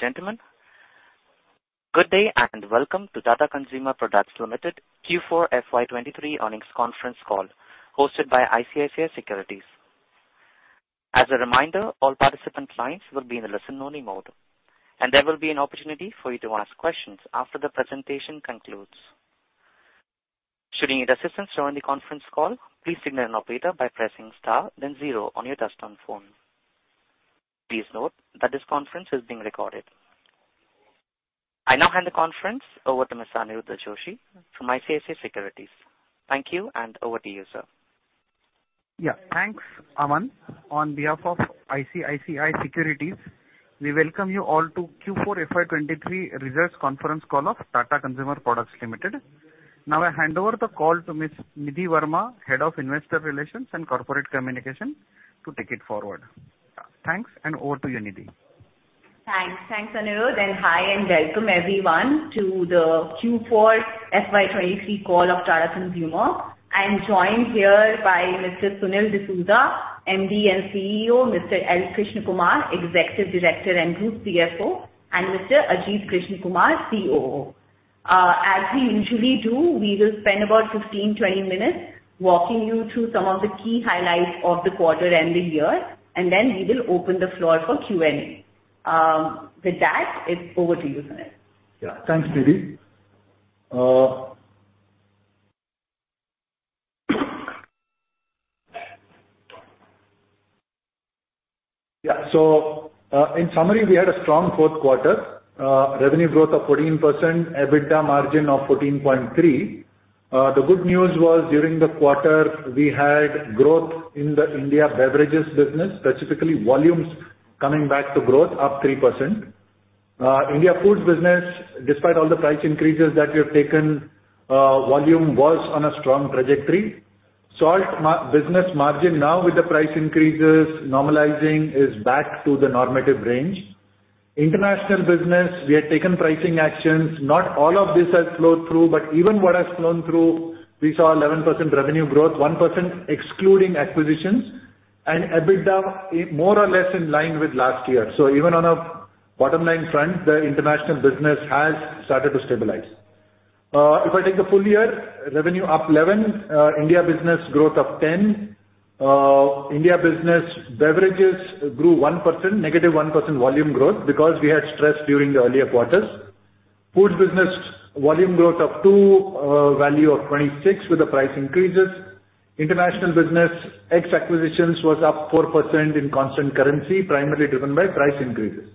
Ladies and gentlemen, Good day and welcome to Tata Consumer Products Limited Q4 FY23 earnings conference call, hosted by ICICI Securities. As a reminder, all participant lines will be in a listen only mode, and there will be an opportunity for you to ask questions after the presentation concludes. Should you need assistance during the conference call, please signal an operator by pressing star then zero on your touchtone phone. Please note that this conference is being recorded. I now hand the conference over to Mr. Aniruddha Joshi from ICICI Securities. Thank you, and over to you, sir. Yeah, thanks, Aman. On behalf of ICICI Securities, we welcome you all to Q4 FY23 results conference call of Tata Consumer Products Limited. I hand over the call to Ms. Nidhi Verma, Head of Investor Relations and Corporate Communication to take it forward. Thanks. Over to you, Nidhi. Thanks. Thanks, Aniruddha, hi and welcome everyone to the Q4 FY23 call of Tata Consumer. I'm joined here by Mr. Sunil D'Souza, MD and CEO, Mr. L. Krishnakumar, Executive Director and Group CFO, and Mr. Ajit Krishnakumar, COO. As we usually do, we will spend about 15, 20 minutes walking you through some of the key highlights of the quarter and the year, then we will open the floor for Q&A. With that, it's over to you, Sunil. Yeah. Thanks, Nidhi. Yeah, in summary, we had a strong fourth quarter, revenue growth of 14%, EBITDA margin of 14.3%. The good news was during the quarter, we had growth in the India beverages business, specifically volumes coming back to growth, up 3%. India foods business, despite all the price increases that we have taken, volume was on a strong trajectory. Salt business margin now with the price increases normalizing is back to the normative range. International business, we had taken pricing actions. Not all of this has flowed through. Even what has flown through, we saw 11% revenue growth, 1% excluding acquisitions, EBITDA, it more or less in line with last year. Even on a bottom line front, the international business has started to stabilize. If I take the full year, revenue up 11%, India business growth of 10%. India business beverages grew 1%, -1% volume growth because we had stress during the earlier quarters. Foods business volume growth of 2%, value of 26% with the price increases. International business ex acquisitions was up 4% in constant currency, primarily driven by price increases.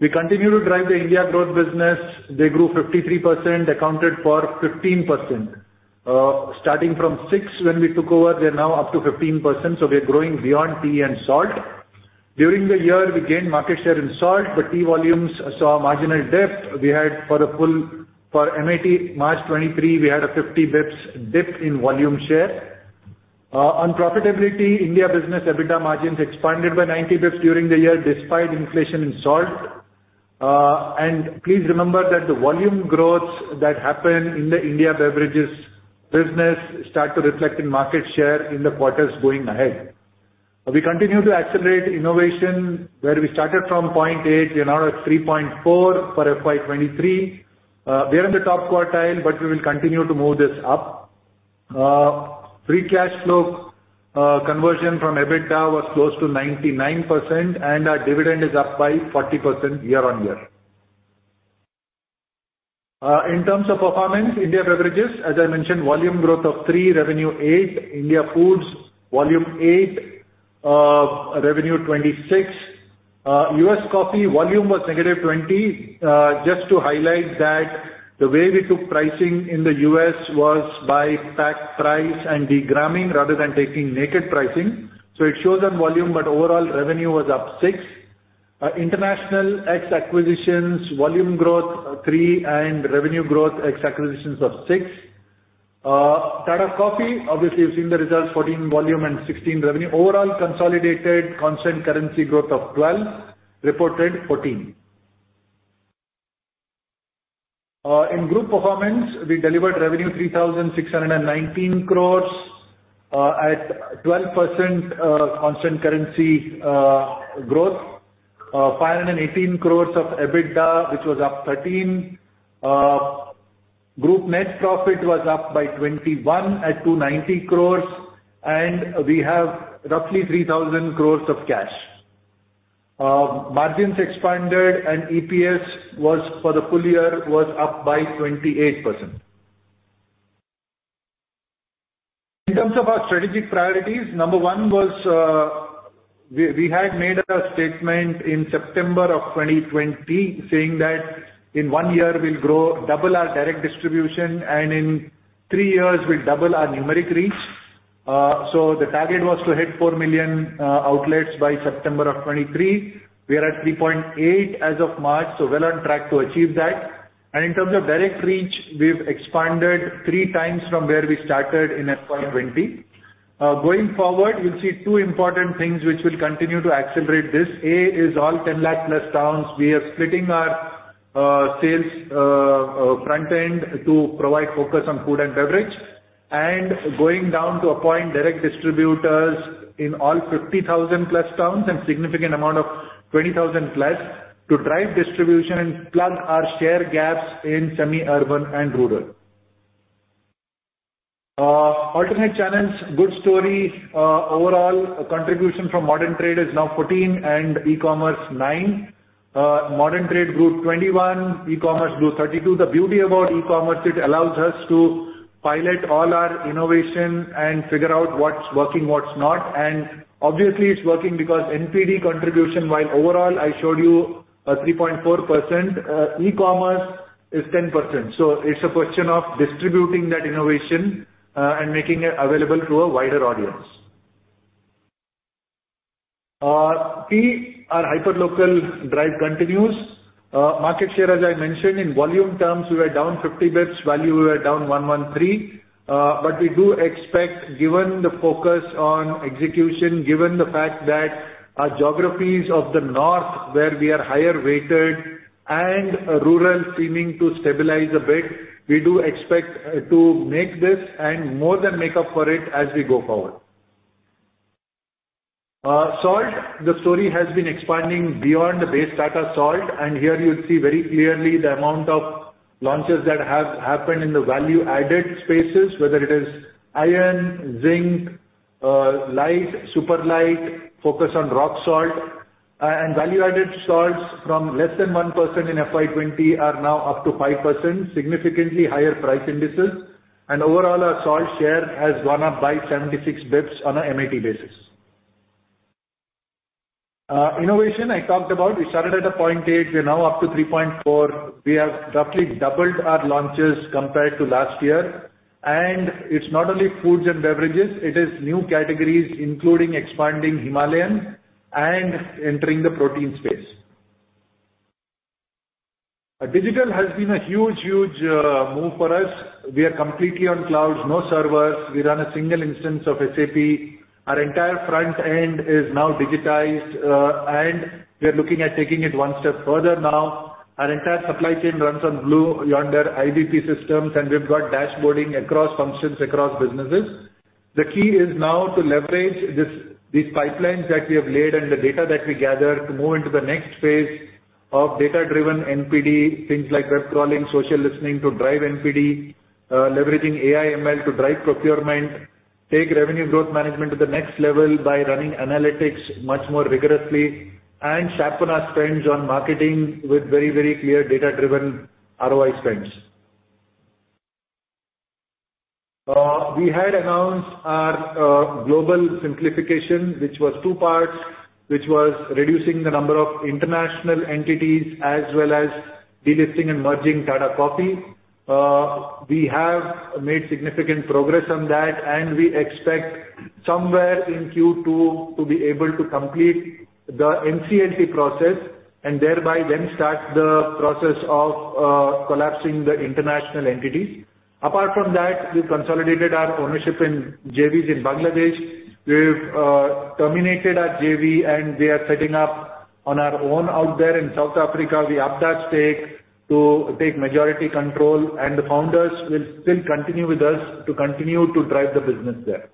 We continue to drive the India growth business. They grew 53%, accounted for 15%. Starting from 6% when we took over, they're now up to 15%. We are growing beyond tea and Salt. During the year, we gained market share in Salt. The tea volumes saw a marginal dip. We had for MIT March 2023, we had a 50 bps dip in volume share. On profitability, India business EBITDA margins expanded by 90 basis points during the year despite inflation in salt. Please remember that the volume growth that happened in the India beverages business start to reflect in market share in the quarters going ahead. We continue to accelerate innovation where we started from 0.8, we are now at 3.4 for FY23. We are in the top quartile, we will continue to move this up. Free cash flow conversion from EBITDA was close to 99% and our dividend is up by 40% year-on-year. In terms of performance, India beverages, as I mentioned, volume growth of 3%, revenue 8%. India foods, volume 8%, revenue 26%. US coffee volume was -20%. Just to highlight that the way we took pricing in the U.S. was by pack price and degramming rather than taking naked pricing. It shows on volume, but overall revenue was up 6%. International ex acquisitions volume growth 3%, and revenue growth ex acquisitions of 6%. Tata Coffee, obviously you've seen the results, 14% volume and 16% revenue. Overall consolidated constant currency growth of 12%, reported 14%. In group performance we delivered revenue 3,619 crores at 12% constant currency growth. 518 crores of EBITDA, which was up 13%. Group net profit was up by 21% at 290 crores, and we have roughly 3,000 crores of cash. Margins expanded and EPS for the full year was up by 28%. In terms of our strategic priorities, number one was, we had made a statement in September of 2020 saying that in 1 year we'll grow double our direct distribution and in three years we'll double our numeric reach. So the target was to hit 4 million outlets by September of 2023. We are at 3.8 as of March, so well on track to achieve that. In terms of direct reach, we've expanded 3x from where we started in FY20. Going forward, you'll see 2 important things which will continue to accelerate this. A is all 10 lakh plus towns, we are splitting our sales front end to provide focus on food and beverage, going down to appoint direct distributors in all 50,000 plus towns and significant amount of 20,000 plus to drive distribution and plug our share gaps in semi-urban and rural. Alternate channels, good story. Overall contribution from modern trade is now 14% and e-commerce 9%. Modern trade grew 21%, e-commerce grew 32%. The beauty about e-commerce, it allows us to pilot all our innovation and figure out what's working, what's not. Obviously it's working because NPD contribution, while overall I showed you 3.4%, e-commerce is 10%. It's a question of distributing that innovation and making it available to a wider audience. Tea, our hyperlocal drive continues. Market share, as I mentioned, in volume terms, we were down 50 basis points. Value, we were down 113 basis points. We do expect, given the focus on execution, given the fact that our geographies of the north, where we are higher weighted and rural seeming to stabilize a bit, we do expect to make this and more than make up for it as we go forward. Salt, the story has been expanding beyond the base Tata Salt, and here you'll see very clearly the amount of launches that have happened in the value-added spaces, whether it is iron, zinc, lite, super lite, focus on rock salt. Value-added salts from less than 1% in FY20 are now up to 5%, significantly higher price indices. Overall, our salt share has gone up by 76 basis points on a MAT basis. Innovation, I talked about. We started at 0.8. We're now up to 3.4. We have roughly doubled our launches compared to last year. It's not only foods and beverages, it is new categories, including expanding Himalayan and entering the protein space. Digital has been a huge move for us. We are completely on cloud, no servers. We run a single instance of SAP. Our entire front end is now digitized, we are looking at taking it one step further now. Our entire supply chain runs on Blue Yonder IBP systems, we've got dashboarding across functions, across businesses. The key is now to leverage this, these pipelines that we have laid and the data that we gather to move into the next phase of data-driven NPD, things like web crawling, social listening to drive NPD, leveraging AI ML to drive procurement, take revenue growth management to the next level by running analytics much more rigorously, and sharpen our spends on marketing with very, very clear data-driven ROI spends. We had announced our global simplification, which was two parts, which was reducing the number of international entities as well as delisting and merging Tata Coffee. We have made significant progress on that, and we expect somewhere in Q2 to be able to complete the NCLT process and thereby then start the process of collapsing the international entities. Apart from that, we consolidated our ownership in JVs in Bangladesh. We've terminated our JV, we are setting up on our own out there in South Africa. We upped our stake to take majority control, the founders will still continue with us to continue to drive the business there.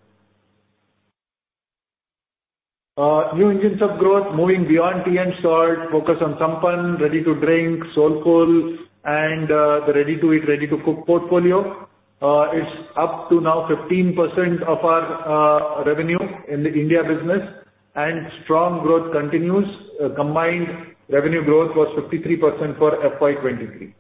New engines of growth, moving beyond tea and salt, focus on Sampann, ready to drink, NourishCo, and the ready-to-eat, ready-to-cook portfolio. It's up to now 15% of our revenue in the India business, strong growth continues. Combined revenue growth was 53% for FY23.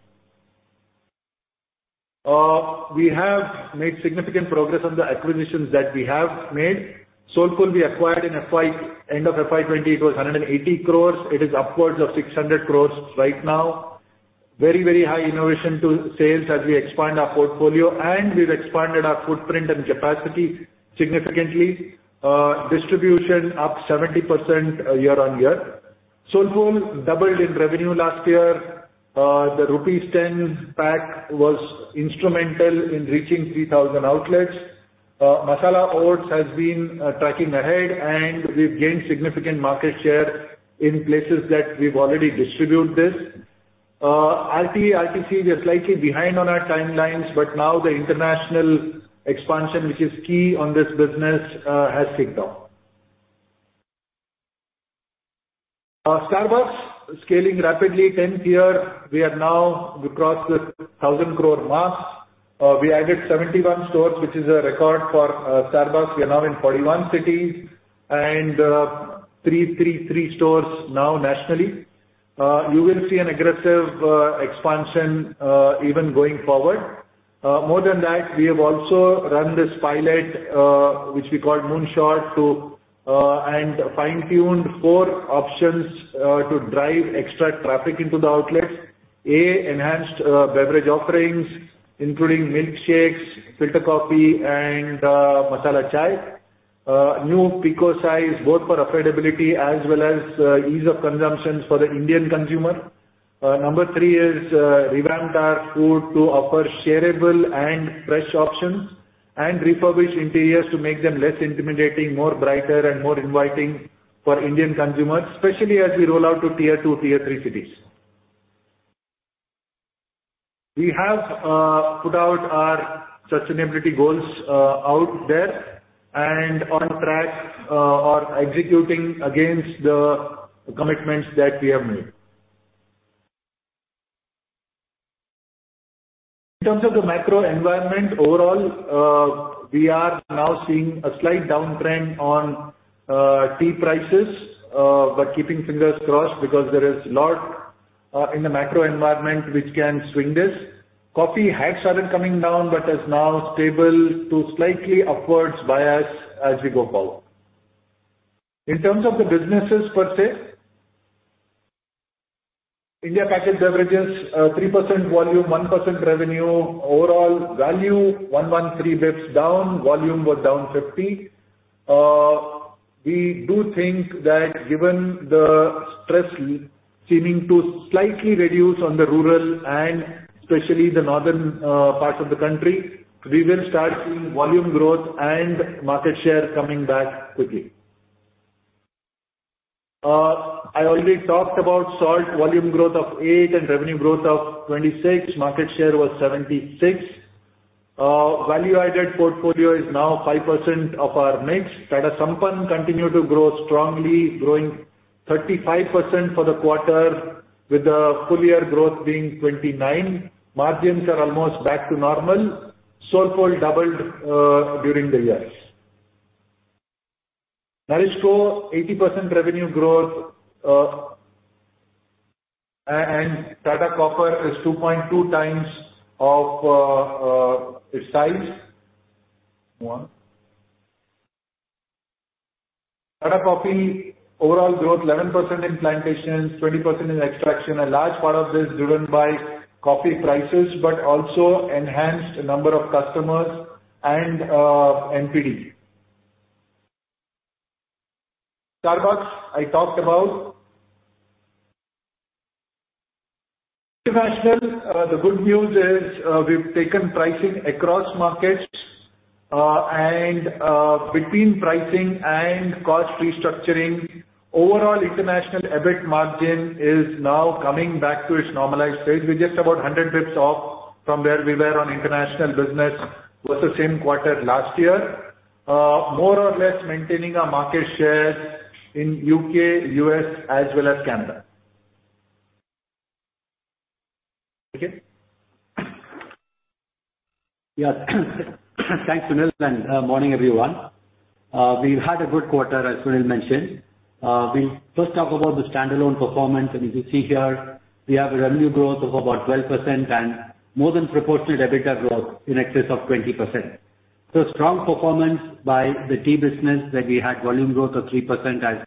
We have made significant progress on the acquisitions that we have made. NourishCo we acquired end of FY20, it was 180 crores. It is upwards of 600 crores right now. Very high innovation to sales as we expand our portfolio, we've expanded our footprint and capacity significantly. Distribution up 70% year-on-year. NourishCo doubled in revenue last year. The rupees 10 pack was instrumental in reaching 3,000 outlets. Masala Oats+ has been tracking ahead, and we've gained significant market share in places that we've already distribute this. RPA, IPC, we're slightly behind on our timelines, but now the international expansion, which is key on this business, has kicked off. Starbucks scaling rapidly. Tenth year, we crossed the 1,000 crore mark. We added 71 stores, which is a record for Starbucks. We are now in 41 cities and 333 stores now nationally. You will see an aggressive expansion even going forward. More than that, we have also run this pilot, which we call Moonshot, and fine-tuned four options, to drive extra traffic into the outlets. A, enhanced, beverage offerings, including milkshakes, filter coffee and, masala chai. New Picco size, both for affordability as well as, ease of consumptions for the Indian consumer. Number three is, revamped our food to offer shareable and fresh options. Refurbish interiors to make them less intimidating, more brighter and more inviting for Indian consumers, especially as we roll out to tier two, tier three cities. We have, put out our sustainability goals, out there and on track, on executing against the commitments that we have made. In terms of the macro environment overall, we are now seeing a slight downtrend on tea prices, but keeping fingers crossed because there is lot in the macro environment which can swing this. Coffee had started coming down, but is now stable to slightly upwards bias as we go forward. In terms of the businesses per se, India packaged beverages, 3% volume, 1% revenue. Overall value 113 bits down, volume was down 50. We do think that given the stress seeming to slightly reduce on the rural and especially the northern parts of the country, we will start seeing volume growth and market share coming back quickly. I already talked about salt volume growth of 8 and revenue growth of 26. Market share was 76. Value-added portfolio is now 5% of our mix. Tata Sampann continued to grow strongly, growing 35% for the quarter with the full year growth being 29%. Margins are almost back to normal. Soulfull doubled during the years. Nourishco, 80% revenue growth. Tata Coffee is 2.2x its size. One. Tata Coffee overall growth 11% in plantations, 20% in extraction. A large part of this driven by coffee prices, but also enhanced number of customers and NPD. Starbucks, I talked about. International, the good news is, we've taken pricing across markets, and between pricing and cost restructuring, overall international EBIT margin is now coming back to its normalized state. We're just about 100 basis points off from where we were on international business versus same quarter last year. More or less maintaining our market share in U.K., U.S. as well as Canada. Okay. Yes. Thanks, Sunil, and morning, everyone. We've had a good quarter, as Sunil mentioned. We first talk about the standalone performance, and as you see here, we have a revenue growth of about 12% and more than proportionate EBITDA growth in excess of 20%. Strong performance by the tea business where we had volume growth of 3%, as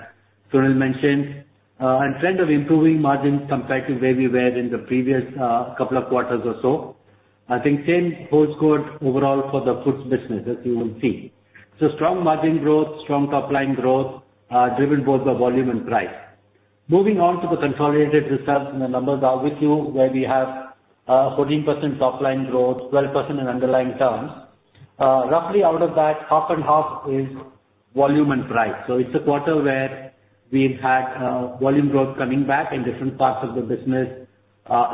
Sunil mentioned. And trend of improving margins compared to where we were in the previous couple of quarters or so. I think same holds good overall for the foods business, as you will see. Strong margin growth, strong top-line growth, driven both by volume and price. Moving on to the consolidated results, and the numbers are with you, where we have 14% top-line growth, 12% in underlying terms. Roughly out of that, half and half is volume and price. It's a quarter where we've had volume growth coming back in different parts of the business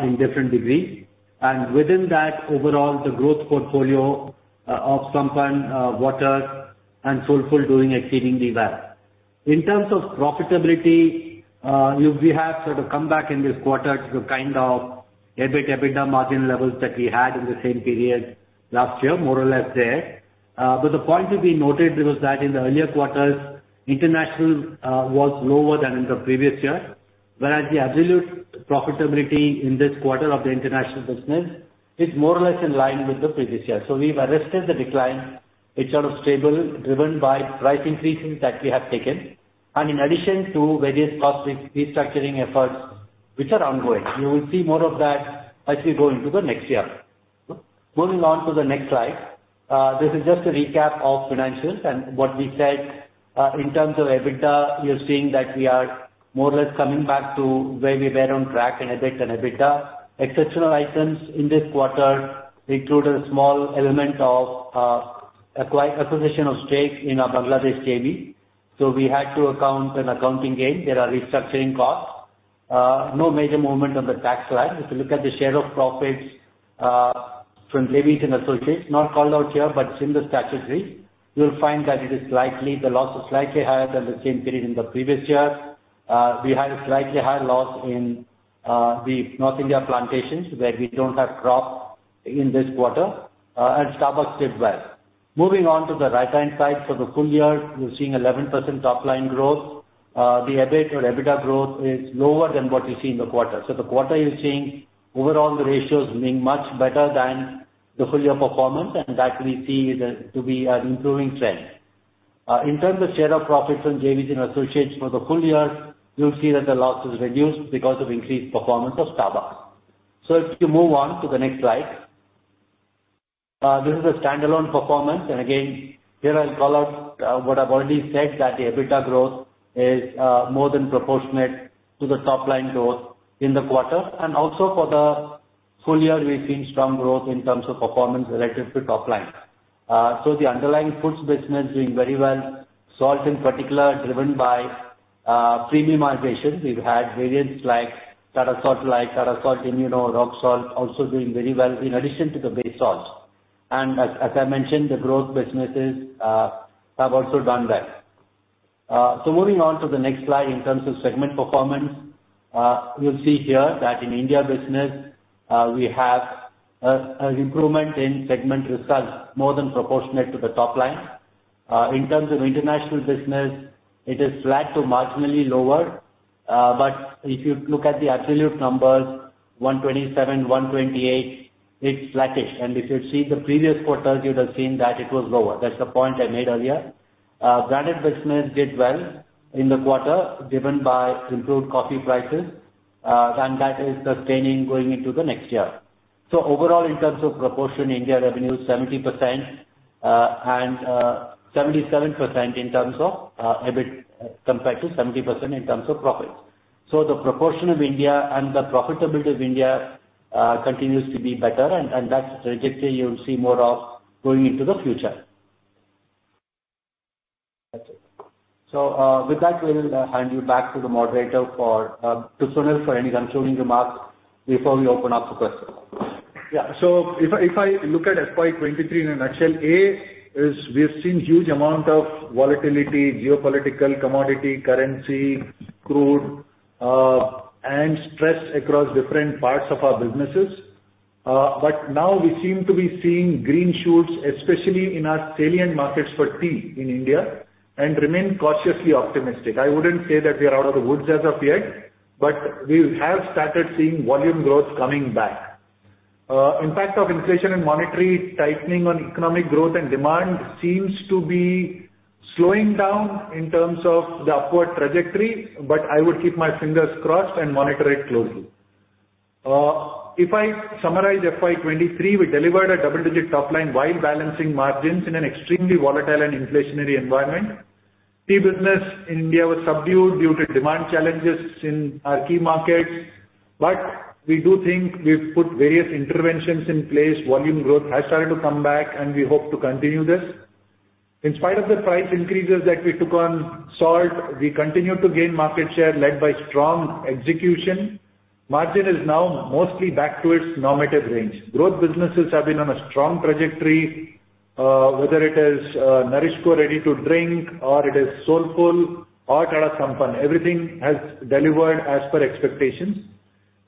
in different degree. Within that, overall, the growth portfolio of Sampann, waters and Soulfull doing exceedingly well. In terms of profitability, we have sort of come back in this quarter to kind of EBIT, EBITDA margin levels that we had in the same period last year, more or less there. The point to be noted was that in the earlier quarters, international was lower than in the previous year, whereas the absolute profitability in this quarter of the international business is more or less in line with the previous year. We've arrested the decline. It's sort of stable, driven by price increases that we have taken, and in addition to various cost restructuring efforts which are ongoing. You will see more of that as we go into the next year. Moving on to the next slide. This is just a recap of financials and what we said, in terms of EBITDA, you're seeing that we are more or less coming back to where we were on track in EBIT and EBITDA. Exceptional items in this quarter included a small element of, acquisition of stake in our Bangladesh JV. We had to account an accounting gain. There are restructuring costs. No major movement on the tax slide. If you look at the share of profits, from JVS & Associates, not called out here, but it's in the statutory. You'll find that it is slightly. The loss is slightly higher than the same period in the previous year. We had a slightly higher loss in the North India plantations, where we don't have crop in this quarter. Starbucks did well. Moving on to the right-hand side for the full year, you're seeing 11% top-line growth. The EBIT or EBITDA growth is lower than what you see in the quarter. The quarter you're seeing, overall the ratios being much better than the full year performance, that we see the, to be an improving trend. In terms of share of profits from JVS & Associatesfor the full year, you'll see that the loss is reduced because of increased performance of Starbucks. If you move on to the next slide. This is the standalone performance. Here I'll call out what I've already said, that the EBITDA growth is more than proportionate to the top-line growth. In the quarter and also for the full year, we've seen strong growth in terms of performance relative to top line. The underlying foods business doing very well. Salt in particular, driven by premiumization. We've had variants like Tata Salt Lite, Tata Salt Immuno, Rock Salt also doing very well in addition to the base salts. As I mentioned, the growth businesses have also done well. Moving on to the next slide in terms of segment performance. You'll see here that in India business, we have a improvement in segment results more than proportionate to the top line. In terms of international business, it is flat to marginally lower. But if you look at the absolute numbers, 127, 128, it's flattish. If you see the previous quarters, you'd have seen that it was lower. That's the point I made earlier. Branded business did well in the quarter, driven by improved coffee prices, and that is sustaining going into the next year. Overall, in terms of proportion, India revenue 70%, and 77% in terms of EBIT compared to 70% in terms of profits. The proportion of India and the profitability of India continues to be better and that trajectory you'll see more of going into the future. That's it. With that, we will hand you back to the operator for to Sunil for any concluding remarks before we open up for questions. Yeah. If I look at FY23 in a nutshell, we have seen huge amount of volatility, geopolitical, commodity, currency, crude, and stress across different parts of our businesses. Now we seem to be seeing green shoots, especially in our salient markets for tea in India, and remain cautiously optimistic. I wouldn't say that we are out of the woods as of yet, but we have started seeing volume growth coming back. Impact of inflation and monetary tightening on economic growth and demand seems to be slowing down in terms of the upward trajectory, but I would keep my fingers crossed and monitor it closely. If I summarize FY23, we delivered a double-digit top line while balancing margins in an extremely volatile and inflationary environment. Tea business in India was subdued due to demand challenges in our key markets, we do think we've put various interventions in place. Volume growth has started to come back, we hope to continue this. In spite of the price increases that we took on salt, we continue to gain market share led by strong execution. Margin is now mostly back to its normative range. Growth businesses have been on a strong trajectory, whether it is Nourishco Ready to Drink or it is Soulfull or Tata Sampann. Everything has delivered as per expectations.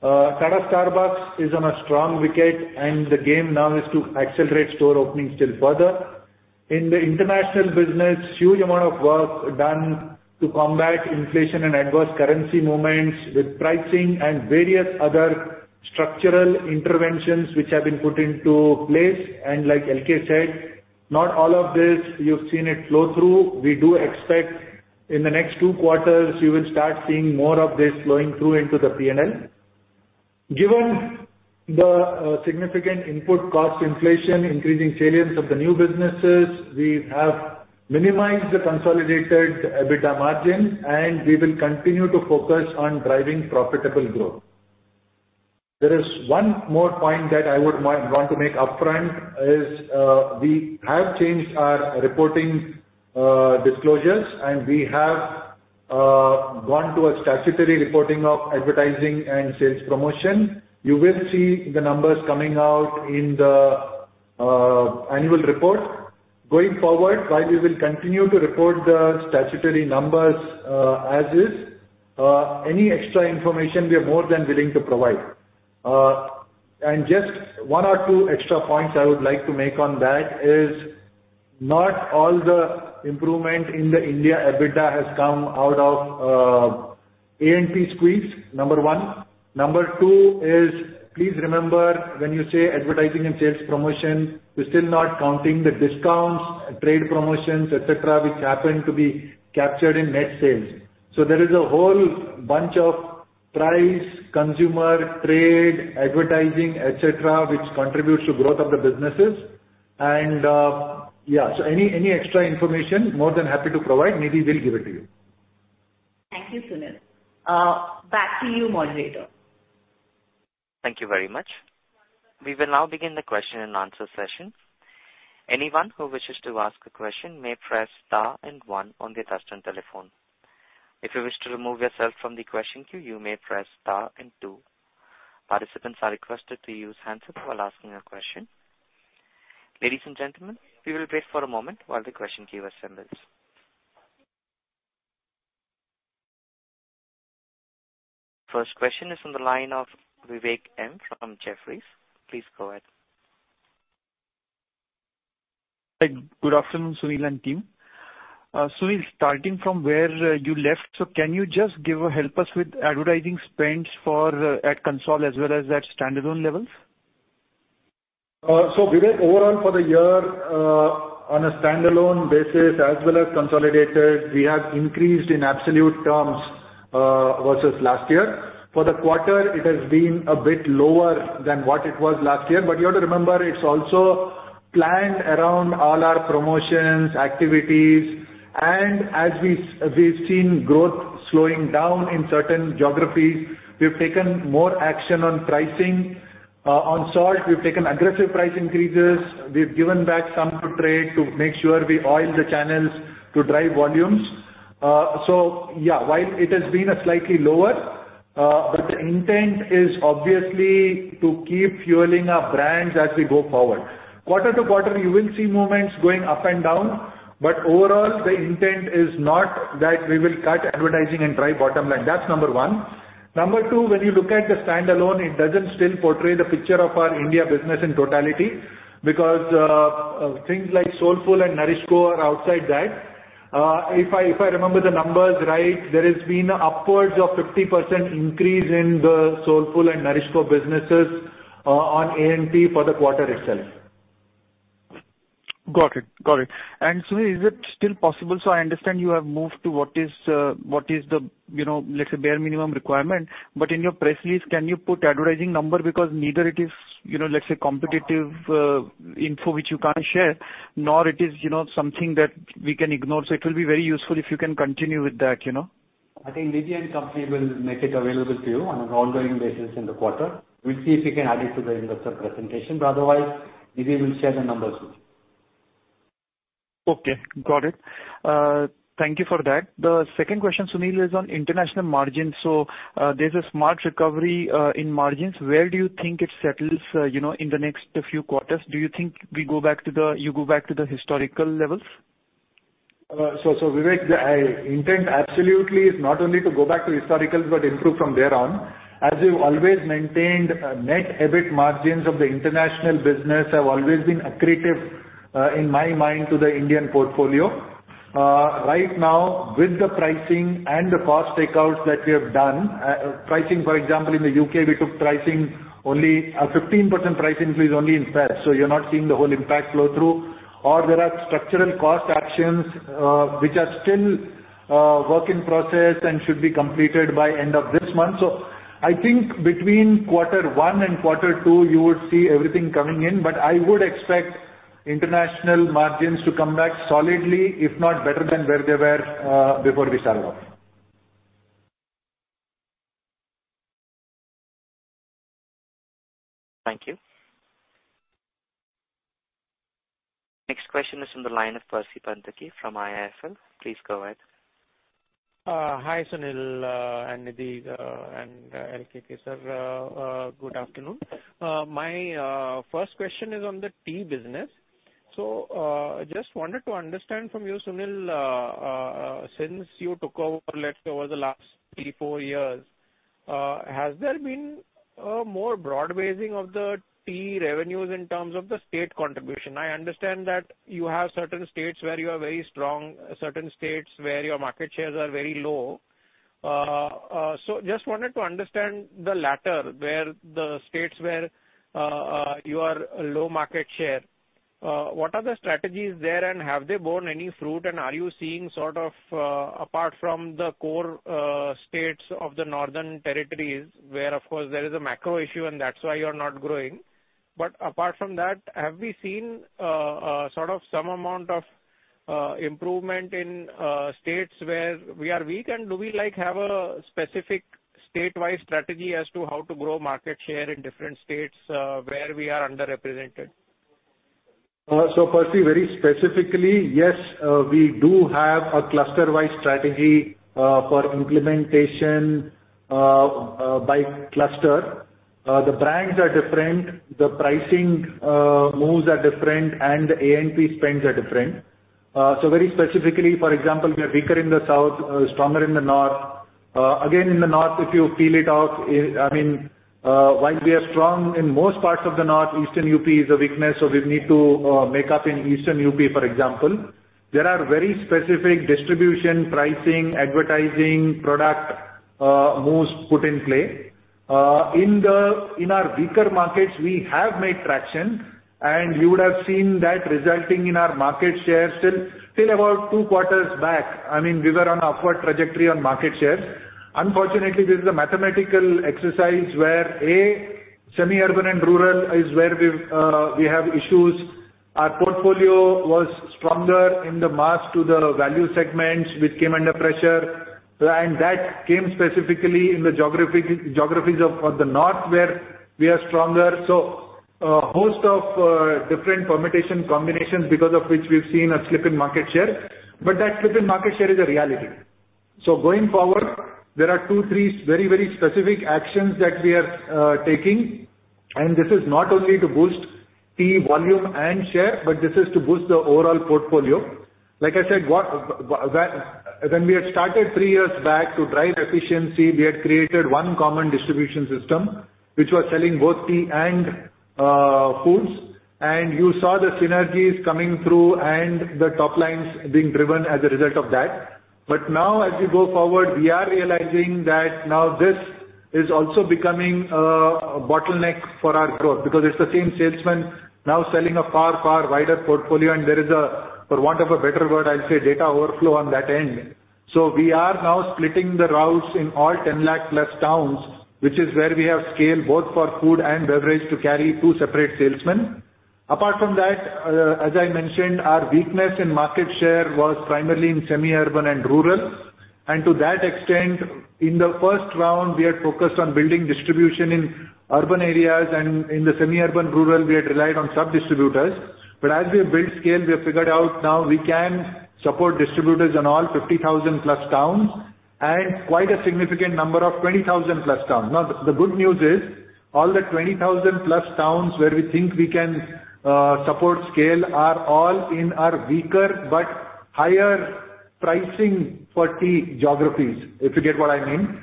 Tata Starbucks is on a strong wicket, the game now is to accelerate store openings still further. In the international business, huge amount of work done to combat inflation and adverse currency movements with pricing and various other structural interventions which have been put into place. Like LK said, not all of this you've seen it flow through. We do expect in the next two quarters you will start seeing more of this flowing through into the P&L. Given the significant input cost inflation, increasing salience of the new businesses, we have minimized the consolidated EBITDA margin, we will continue to focus on driving profitable growth. There is one more point that I want to make upfront is, we have changed our reporting disclosures, we have gone to a statutory reporting of advertising and sales promotion. You will see the numbers coming out in the annual report. Going forward, while we will continue to report the statutory numbers as is, any extra information we are more than willing to provide. Just 1 or 2 extra points I would like to make on that is not all the improvement in the India EBITDA has come out of A&P squeeze, number one. Number two is please remember when you say advertising and sales promotion, we're still not counting the discounts, trade promotions, et cetera, which happen to be captured in net sales. There is a whole bunch of price, consumer, trade, advertising, et cetera, which contributes to growth of the businesses. Yeah. Any extra information, more than happy to provide, maybe we'll give it to you. Thank you, Sunil. Back to you, operator. Thank you very much. We will now begin the question and answer session. Anyone who wishes to ask a question may press star and one on their touchtone telephone. If you wish to remove yourself from the question queue, you may press star and two. Participants are requested to use handset while asking a question. Ladies and gentlemen, we will wait for a moment while the question queue assembles. First question is on the line of Vivek M. from Jefferies. Please go ahead. Good afternoon, Sunil and team. Sunil, starting from where you left, so can you just give or help us with advertising spends for at Consol as well as at standalone levels? Vivek, overall for the year, on a standalone basis as well as consolidated, we have increased in absolute terms versus last year. For the quarter, it has been a bit lower than what it was last year. You have to remember, it's also planned around all our promotions, activities, and as we've seen growth slowing down in certain geographies, we've taken more action on pricing. On salt, we've taken aggressive price increases. We've given back some to trade to make sure we oil the channels to drive volumes. Yeah, while it has been a slightly lower, but the intent is obviously to keep fueling our brands as we go forward. Quarter to quarter, you will see movements going up and down, but overall, the intent is not that we will cut advertising and drive bottom line. That's number one. Number two, when you look at the standalone, it doesn't still portray the picture of our India business in totality because things like Soulfull and Nourishco are outside that. If I remember the numbers right, there has been upwards of 50% increase in the Soulfull and Nourishco businesses on A&P for the quarter itself. Got it. Got it. Sunil, is it still possible. I understand you have moved to what is the, you know, let's say bare minimum requirement. In your press release, can you put advertising number because neither it is, you know, let's say competitive info which you can't share, nor it is, you know, something that we can ignore. It will be very useful if you can continue with that, you know. I think Nidhi and company will make it available to you on an ongoing basis in the quarter. We'll see if we can add it to the investor presentation. Otherwise, Nidhi will share the numbers with you. Okay. Got it. Thank you for that. The second question, Sunil, is on international margins. There's a smart recovery, in margins. Where do you think it settles, you know, in the next few quarters? Do you think you go back to the historical levels? Vivek, the intent absolutely is not only to go back to historicals but improve from there on. As we've always maintained, net EBIT margins of the international business have always been accretive, in my mind, to the Indian portfolio. Right now, with the pricing and the cost takeouts that we have done, pricing, for example, in the U.K., we took pricing only, a 15% price increase only in February, so you're not seeing the whole impact flow through. There are structural cost actions, which are still work in process and should be completed by end of this month. I think between quarter one and quarter two, you would see everything coming in. I would expect international margins to come back solidly, if not better than where they were before we started off. Thank you. Next question is from the line of Percy Panthaki from IIFL. Please go ahead. Hi, Sunil, and Nidhi, and LKK, sir. Good afternoon. My first question is on the tea business. Just wanted to understand from you, Sunil, since you took over, let's say, over the last three, four years, has there been a more broad-basing of the tea revenues in terms of the state contribution? I understand that you have certain states where you are very strong, certain states where your market shares are very low. Just wanted to understand the latter, where the states where you are low market share. What are the strategies there and have they borne any fruit and are you seeing sort of, apart from the core states of the northern territories where, of course, there is a macro issue and that's why you're not growing. Apart from that, have we seen, sort of some amount of improvement in states where we are weak and do we, like, have a specific state-wide strategy as to how to grow market share in different states, where we are underrepresented? Percy, very specifically, yes, we do have a cluster-wide strategy for implementation by cluster. The brands are different, the pricing moves are different, and the A&P spends are different. Very specifically, for example, we are weaker in the south, stronger in the north. Again, in the north, if you peel it out, I mean, while we are strong in most parts of the north, eastern UP is a weakness, so we need to make up in eastern UP, for example. There are very specific distribution, pricing, advertising, product moves put in play. In our weaker markets, we have made traction, and you would have seen that resulting in our market share still about 2 quarters back, I mean, we were on upward trajectory on market shares. Unfortunately, this is a mathematical exercise where, A, semi-urban and rural is where we've, we have issues. Our portfolio was stronger in the mass to the value segments which came under pressure, and that came specifically in the geographies of the North, where we are stronger. A host of different permutation combinations because of which we've seen a slip in market share, but that slip in market share is a reality. Going forward, there are two, three very, very specific actions that we are taking, and this is not only to boost tea volume and share, but this is to boost the overall portfolio. Like I said, what, when we had started three years back to drive efficiency, we had created one common distribution system, which was selling both tea and foods. You saw the synergies coming through and the top lines being driven as a result of that. Now as we go forward, we are realizing that this is also becoming a bottleneck for our growth because it's the same salesman now selling a far, far wider portfolio, and there is a, for want of a better word, I'll say data overflow on that end. We are now splitting the routes in all 10 lakh plus towns, which is where we have scaled both for food and beverage to carry two separate salesmen. Apart from that, as I mentioned, our weakness in market share was primarily in semi-urban and rural. To that extent, in the first round, we are focused on building distribution in urban areas and in the semi-urban, rural, we had relied on sub-distributors. As we have built scale, we have figured out now we can support distributors in all 50,000 plus towns and quite a significant number of 20,000 plus towns. The good news is, all the 20,000 plus towns where we think we can support scale are all in our weaker but higher pricing 40 geographies, if you get what I mean.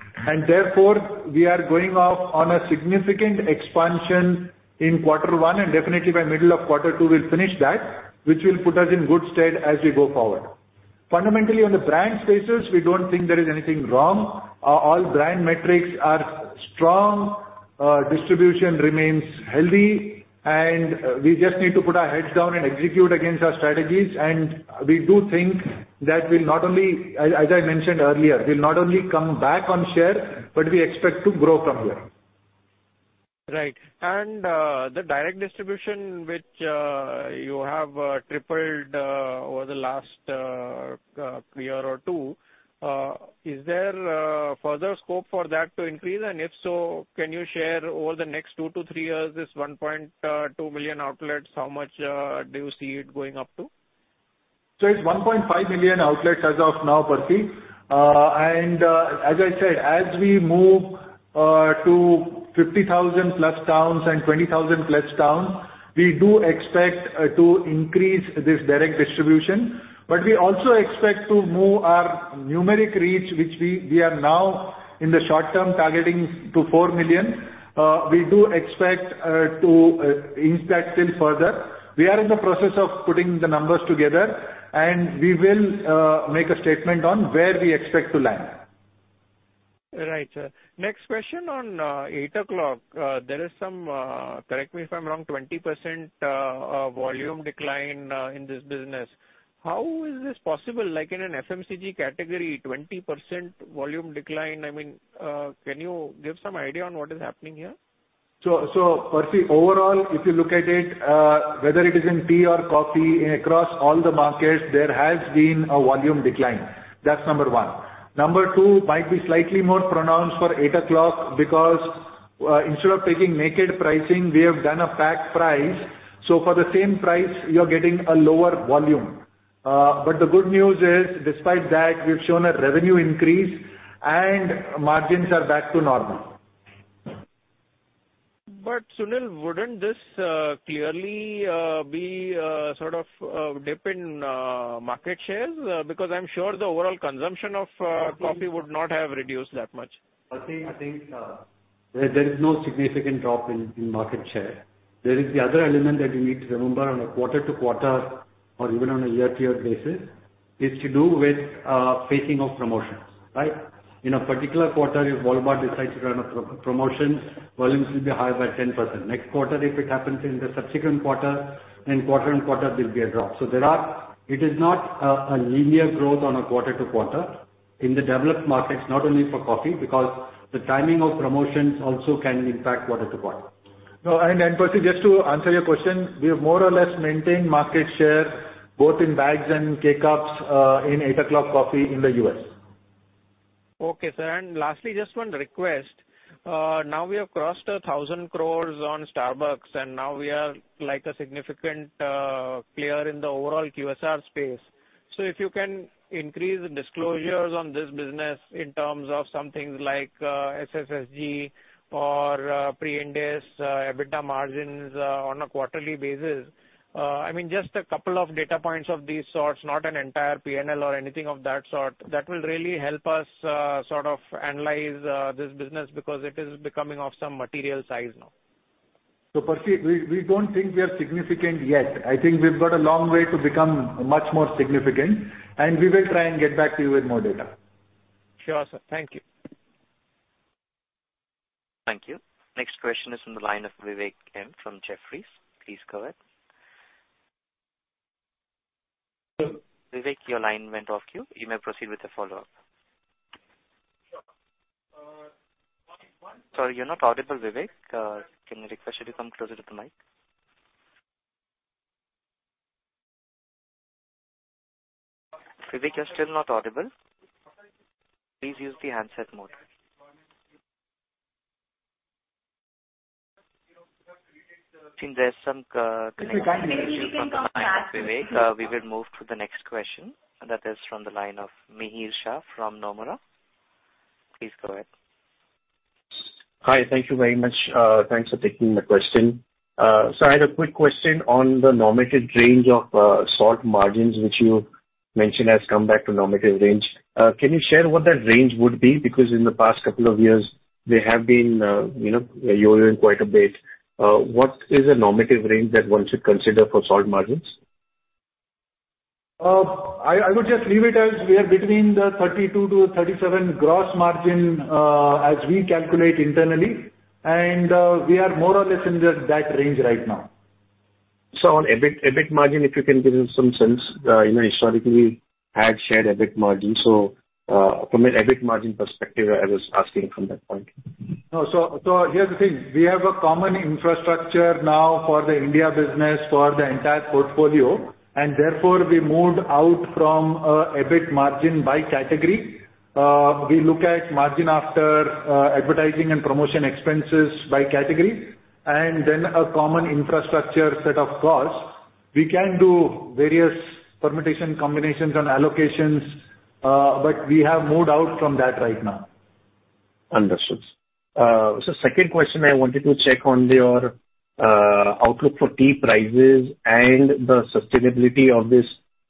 Therefore we are going off on a significant expansion in quarter one and definitely by middle of quarter two we'll finish that, which will put us in good stead as we go forward. Fundamentally, on the brand spaces, we don't think there is anything wrong. Our all brand metrics are strong, distribution remains healthy, and we just need to put our heads down and execute against our strategies. We do think that we'll not only. As I mentioned earlier, we'll not only come back on share, but we expect to grow from here. Right. The direct distribution which you have tripled over the last year or two, is there further scope for that to increase? If so, can you share over the next two to three years, this 1.2 million outlets, how much do you see it going up to? It's 1.5 million outlets as of now, Percy. As I said, as we move to 50,000 plus towns and 20,000 plus towns, we do expect to increase this direct distribution. We also expect to move our numeric reach, which we are now in the short term targeting to 4 million. We do expect to impact still further. We are in the process of putting the numbers together, and we will make a statement on where we expect to land. Right, sir. Next question on Eight O'Clock. There is some, correct me if I'm wrong, 20% volume decline in this business. How is this possible? Like in an FMCG category, 20% volume decline, I mean, can you give some idea on what is happening here? Percy, overall, if you look at it, whether it is in tea or coffee, across all the markets, there has been a volume decline. That's number one. Number two might be slightly more pronounced for Eight O'Clock because, instead of taking naked pricing, we have done a packed price, so for the same price, you're getting a lower volume. The good news is, despite that, we've shown a revenue increase and margins are back to normal. Sunil, wouldn't this clearly be a sort of dip in market shares? Because I'm sure the overall consumption of coffee would not have reduced that much. Percy, I think, there is no significant drop in market share. There is the other element that you need to remember on a quarter-to-quarter or even on a year-to-year basis, it's to do with pacing of promotions, right? In a particular quarter, if Walmart decides to run a pro-promotion, volumes will be higher by 10%. Next quarter, if it happens in the subsequent quarter, then quarter and quarter there'll be a drop. It is not a linear growth on a quarter to quarter in the developed markets, not only for coffee, because the timing of promotions also can impact quarter to quarter. Percy, just to answer your question, we have more or less maintained market share both in bags and K-Cups, in Eight O'Clock Coffee in the US. Okay, sir. Lastly, just one request. now we have crossed 1,000 crore on Starbucks, and now we are like a significant player in the overall QSR space. If you can increase disclosures on this business in terms of some things like SSSG or pre-Ind AS EBITDA margins on a quarterly basis, I mean, just a couple of data points of these sorts, not an entire P&L or anything of that sort, that will really help us sort of analyze this business because it is becoming of some material size now. Percy, we don't think we are significant yet. I think we've got a long way to become much more significant. We will try and get back to you with more data. Sure, sir. Thank you. Thank you. Next question is from the line of Vivek M. from Jefferies. Please go ahead. Vivek, your line went off queue. You may proceed with the follow-up. Sure. Sorry, you're not audible, Vivek. Can we request you to come closer to the mic? Vivek, you're still not audible. Please use the handset mode. I think there's some connection issue from the line of Vivek. We will move to the next question. That is from the line of Mihir Shah from Nomura. Please go ahead. Hi. Thank you very much. Thanks for taking the question. I had a quick question on the normative range of salt margins, which you mentioned has come back to normative range. Can you share what that range would be? In the past couple of years, they have been, you know, varying quite a bit. What is a normative range that one should consider for salt margins? I would just leave it as we are between the 32%-37% gross margin, as we calculate internally, and we are more or less in that range right now. On EBIT margin, if you can give me some sense. you know, historically, you had shared EBIT margin. From an EBIT margin perspective, I was asking from that point. No. Here's the thing. We have a common infrastructure now for the India business, for the entire portfolio, and therefore we moved out from, EBIT margin by category. We look at margin after, advertising and promotion expenses by category, and then a common infrastructure set of costs. We can do various permutation, combinations and allocations, but we have moved out from that right now. Understood. Second question, I wanted to check on your outlook for tea prices and the sustainability of this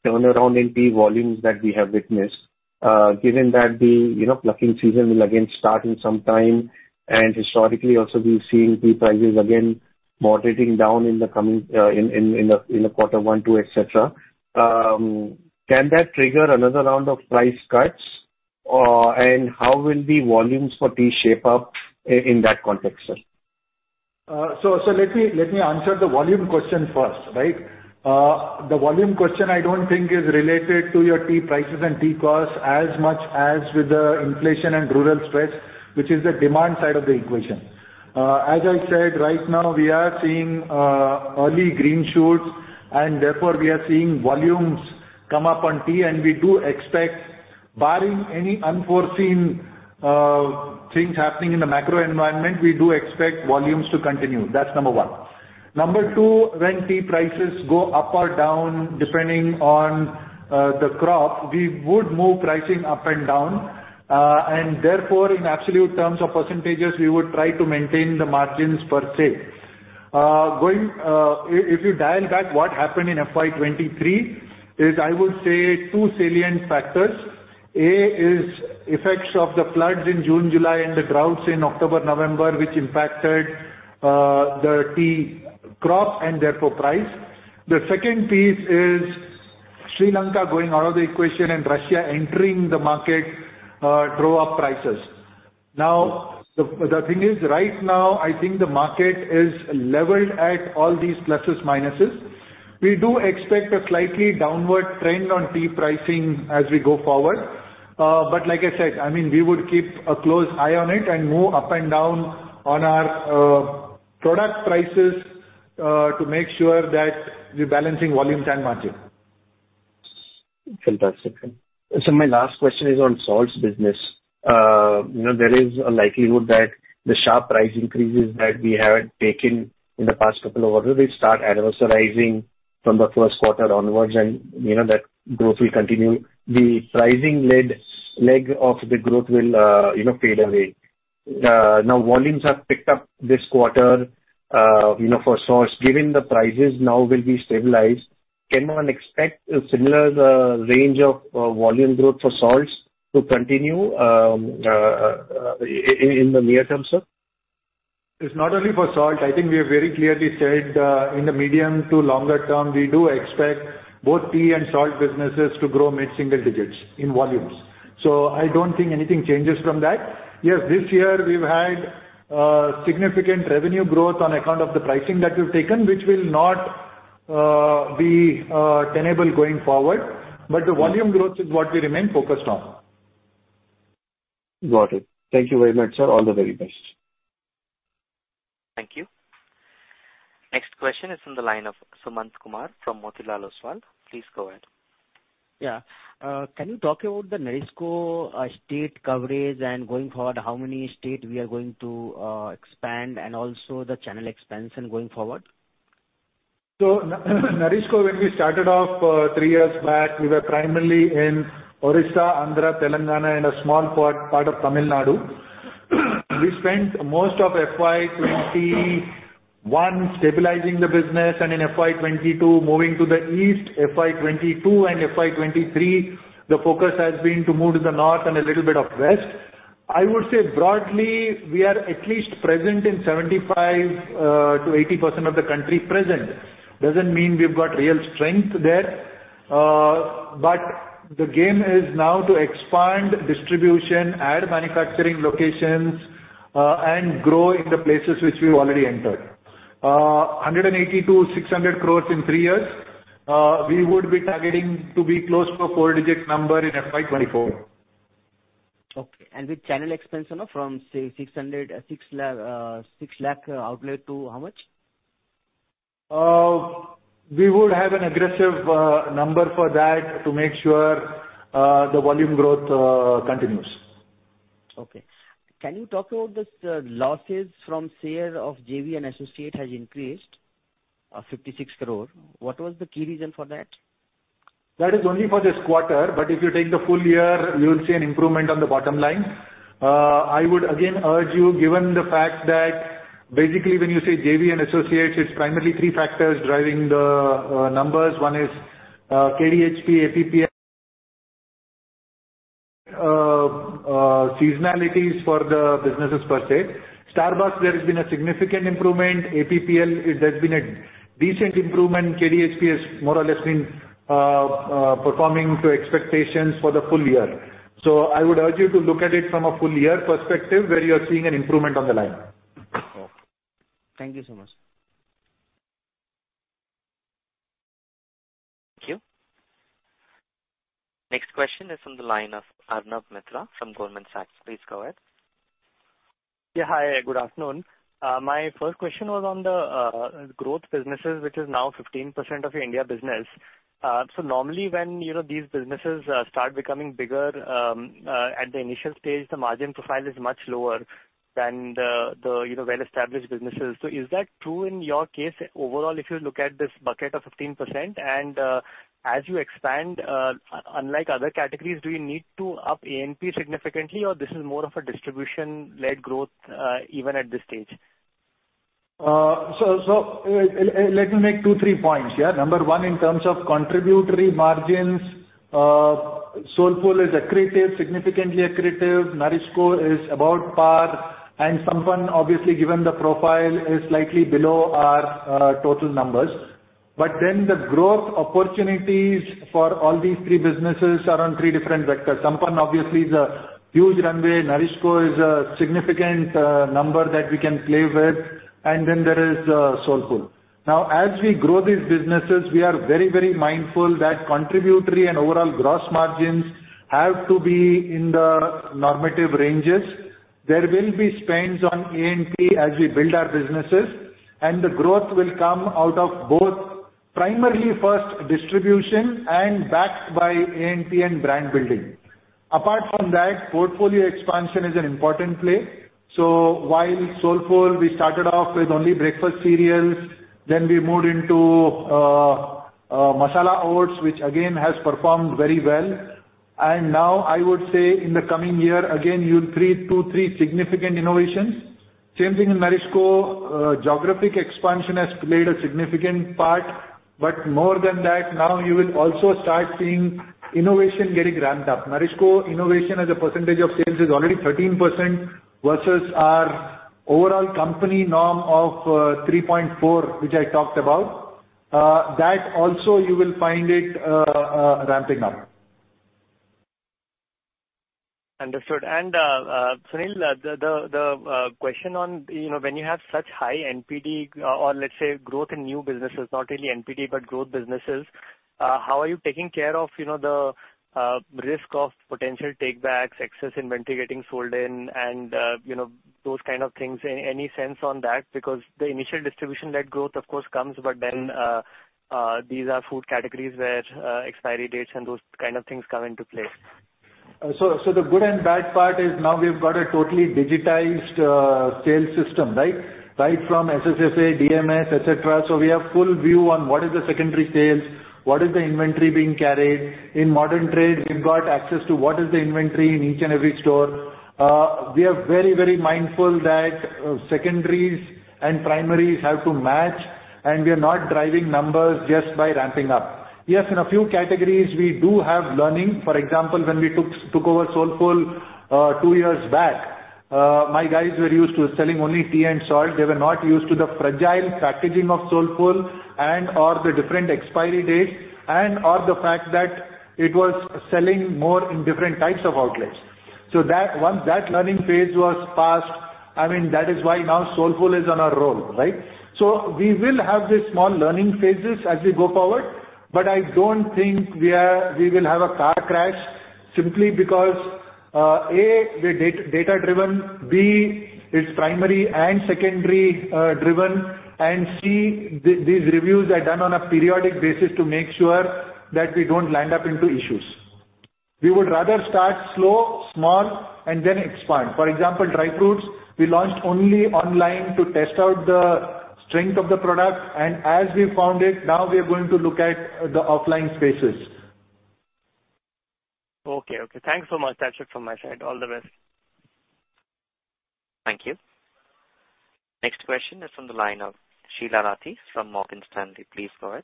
turnaround in tea volumes that we have witnessed. Given that the, you know, plucking season will again start in some time, and historically also we've seen tea prices again moderating down in the coming in the quarter one, two, et cetera. Can that trigger another round of price cuts, and how will the volumes for tea shape up in that context, sir? Let me answer the volume question first, right? The volume question I don't think is related to your tea prices and tea costs as much as with the inflation and rural spreads, which is the demand side of the equation. As I said, right now we are seeing early green shoots and therefore we are seeing volumes come up on tea, and we do expect barring any unforeseen things happening in the macro environment, we do expect volumes to continue. That's number one. Number two, when tea prices go up or down, depending on the crop, we would move pricing up and down. In absolute terms or percentages, we would try to maintain the margins per se. Going if you dial back what happened in FY23 is, I would say two salient factors. A is effects of the floods in June, July and the droughts in October, November, which impacted the tea crop and therefore price. The second piece is Sri Lanka going out of the equation and Russia entering the market drove up prices. The thing is, right now I think the market is leveled at all these pluses, minuses. We do expect a slightly downward trend on tea pricing as we go forward. Like I said, I mean, we would keep a close eye on it and move up and down on our product prices to make sure that we're balancing volumes and margin. Fantastic. My last question is on salts business. You know, there is a likelihood that the sharp price increases that we have taken in the past couple of orders will start adversarizing from the first quarter onwards and, you know, that growth will continue. The pricing led leg of the growth will, you know, fade away. Now, volumes have picked up this quarter, you know, for salts. Given the prices now will be stabilized, can one expect a similar range of volume growth for salts to continue in the near term, sir? It's not only for salt. I think we have very clearly said, in the medium to longer term, we do expect both tea and salt businesses to grow mid-single digits in volumes. I don't think anything changes from that. Yes, this year we've had significant revenue growth on account of the pricing that we've taken, which will not be tenable going forward. The volume growth is what we remain focused on. Got it. Thank you very much, sir. All the very best. Thank you. Next question is from the line of Sumant Kumar from Motilal Oswal. Please go ahead. Yeah. can you talk about the Nourishco state coverage and going forward, how many state we are going to expand and also the channel expansion going forward? Nourishco, when we started off, three years back, we were primarily in Orissa, Andhra, Telangana and a small part of Tamil Nadu. We spent most of FY21 stabilizing the business and in FY22 moving to the east. FY22 and FY23, the focus has been to move to the north and a little bit of west. I would say broadly, we are at least present in 75%-80% of the country. Present doesn't mean we've got real strength there. The game is now to expand distribution, add manufacturing locations, and grow in the places which we've already entered. 180 crores-600 crores in three years. We would be targeting to be close to a four-digit number in FY24. Okay. with channel expansion from say 600, 6 lakh, 6 lakh outlet to how much? We would have an aggressive number for that to make sure the volume growth continues. Okay. Can you talk about this losses from share of JV and associate has increased 56 crore? What was the key reason for that? That is only for this quarter, if you take the full year, you will see an improvement on the bottom line. I would again urge you, given the fact that basically when you say JV and associates, it's primarily three factors driving the numbers. One is KDHP, APPL, seasonalities for the businesses per se. Starbucks, there has been a significant improvement. APPL, there's been a decent improvement. KDHP has more or less been performing to expectations for the full year. I would urge you to look at it from a full year perspective where you are seeing an improvement on the line. Okay. Thank you so much. Thank you. Next question is from the line of Arnab Mitra from Goldman Sachs. Please go ahead. Yeah, Hi, Good afternoon. My first question was on the growth businesses, which is now 15% of your India business. Normally when, you know, these businesses start becoming bigger, at the initial stage, the margin profile is much lower than the, you know, well-established businesses. Is that true in your case overall, if you look at this bucket of 15%? As you expand, unlike other categories, do you need to up A&P significantly, or this is more of a distribution-led growth, even at this stage? Let me make two, three points, yeah. Number one, in terms of contributory margins, Soulfull is accretive, significantly accretive. NourishCo is about par, and Sampann, obviously, given the profile, is slightly below our total numbers. The growth opportunities for all these three businesses are on three different vectors. Sampann obviously is a huge runway. NourishCo is a significant number that we can play with. There is Soulfull. As we grow these businesses, we are very, very mindful that contributory and overall gross margins have to be in the normative ranges. There will be spends on A&P as we build our businesses, and the growth will come out of both primarily first distribution and backed by A&P and brand building. Apart from that, portfolio expansion is an important play. While Soulfull, we started off with only breakfast cereals, then we moved into Masala Oats, which again has performed very well. Now I would say in the coming year, again, you'll create two, three significant innovations. Same thing in NourishCo. Geographic expansion has played a significant part, but more than that, now you will also start seeing innovation getting ramped up. NourishCo innovation as a percentage of sales is already 13% versus our overall company norm of 3.4%, which I talked about. That also you will find it ramping up. Understood. Sunil, the question on, you know, when you have such high NPD or let's say growth in new businesses, not really NPD, but growth businesses, how are you taking care of, you know, the risk of potential takebacks, excess inventory getting sold in and, you know, those kind of things? Any sense on that? Because the initial distribution, that growth of course comes, but then, these are food categories where expiry dates and those kind of things come into play. So the good and bad part is now we've got a totally digitized sales system, right? Right from SSSA, DMS, et cetera. We have full view on what is the secondary sales, what is the inventory being carried. In modern trade, we've got access to what is the inventory in each and every store. We are very, very mindful that secondaries and primaries have to match, and we are not driving numbers just by ramping up. Yes, in a few categories we do have learning. For example, when we took over Soulfull, two years back, my guys were used to selling only tea and salt. They were not used to the fragile packaging of Soulfull and/or the different expiry dates and/or the fact that it was selling more in different types of outlets. That, once that learning phase was passed, I mean, that is why now Soulfull is on a roll, right? We will have these small learning phases as we go forward, but I don't think we will have a car crash simply because, A, we're data-driven, B, it's primary and secondary, driven, and C, these reviews are done on a periodic basis to make sure that we don't land up into issues. We would rather start slow, small, and then expand. For example, dry fruits, we launched only online to test out the strength of the product, and as we found it, now we are going to look at the offline spaces. Okay. Okay. Thanks so much. That's it from my side. All the best. Thank you. Next question is from the line of Sheela Rathi from Morgan Stanley. Please go ahead.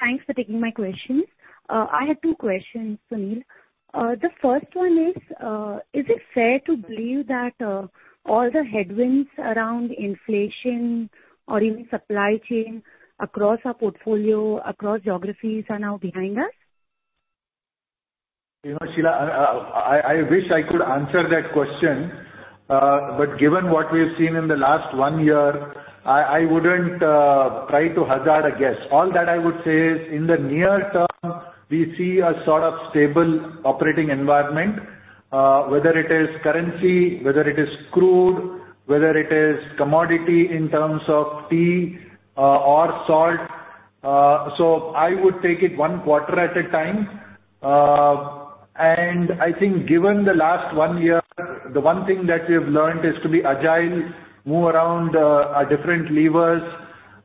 Thanks for taking my questions. I have two questions, Sunil. The first one is it fair to believe that all the headwinds around inflation or even supply chain across our portfolio, across geographies are now behind us? You know, Sheela, I wish I could answer that question, given what we've seen in the last 1 year, I wouldn't try to hazard a guess. All that I would say is in the near term, we see a sort of stable operating environment, whether it is currency, whether it is crude, whether it is commodity in terms of tea, or salt. I would take it 1 quarter at a time. I think given the last 1 year, the 1 thing that we've learned is to be agile, move around, our different levers,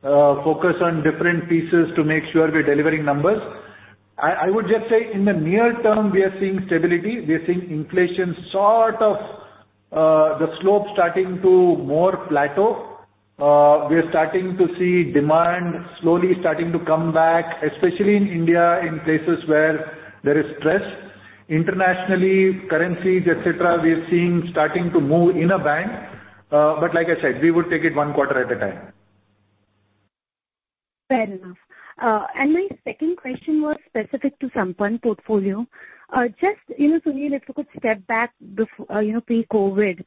focus on different pieces to make sure we're delivering numbers. I would just say in the near term, we are seeing stability. We are seeing inflation sort of, the slope starting to more plateau. We are starting to see demand slowly starting to come back, especially in India, in places where there is stress. Internationally, currencies, et cetera, we are seeing starting to move in a bank. Like I said, we would take it one quarter at a time. Fair enough. My second question was specific to Tata Sampann portfolio. Just, you know, Sunil, if you could step back, you know, pre-COVID,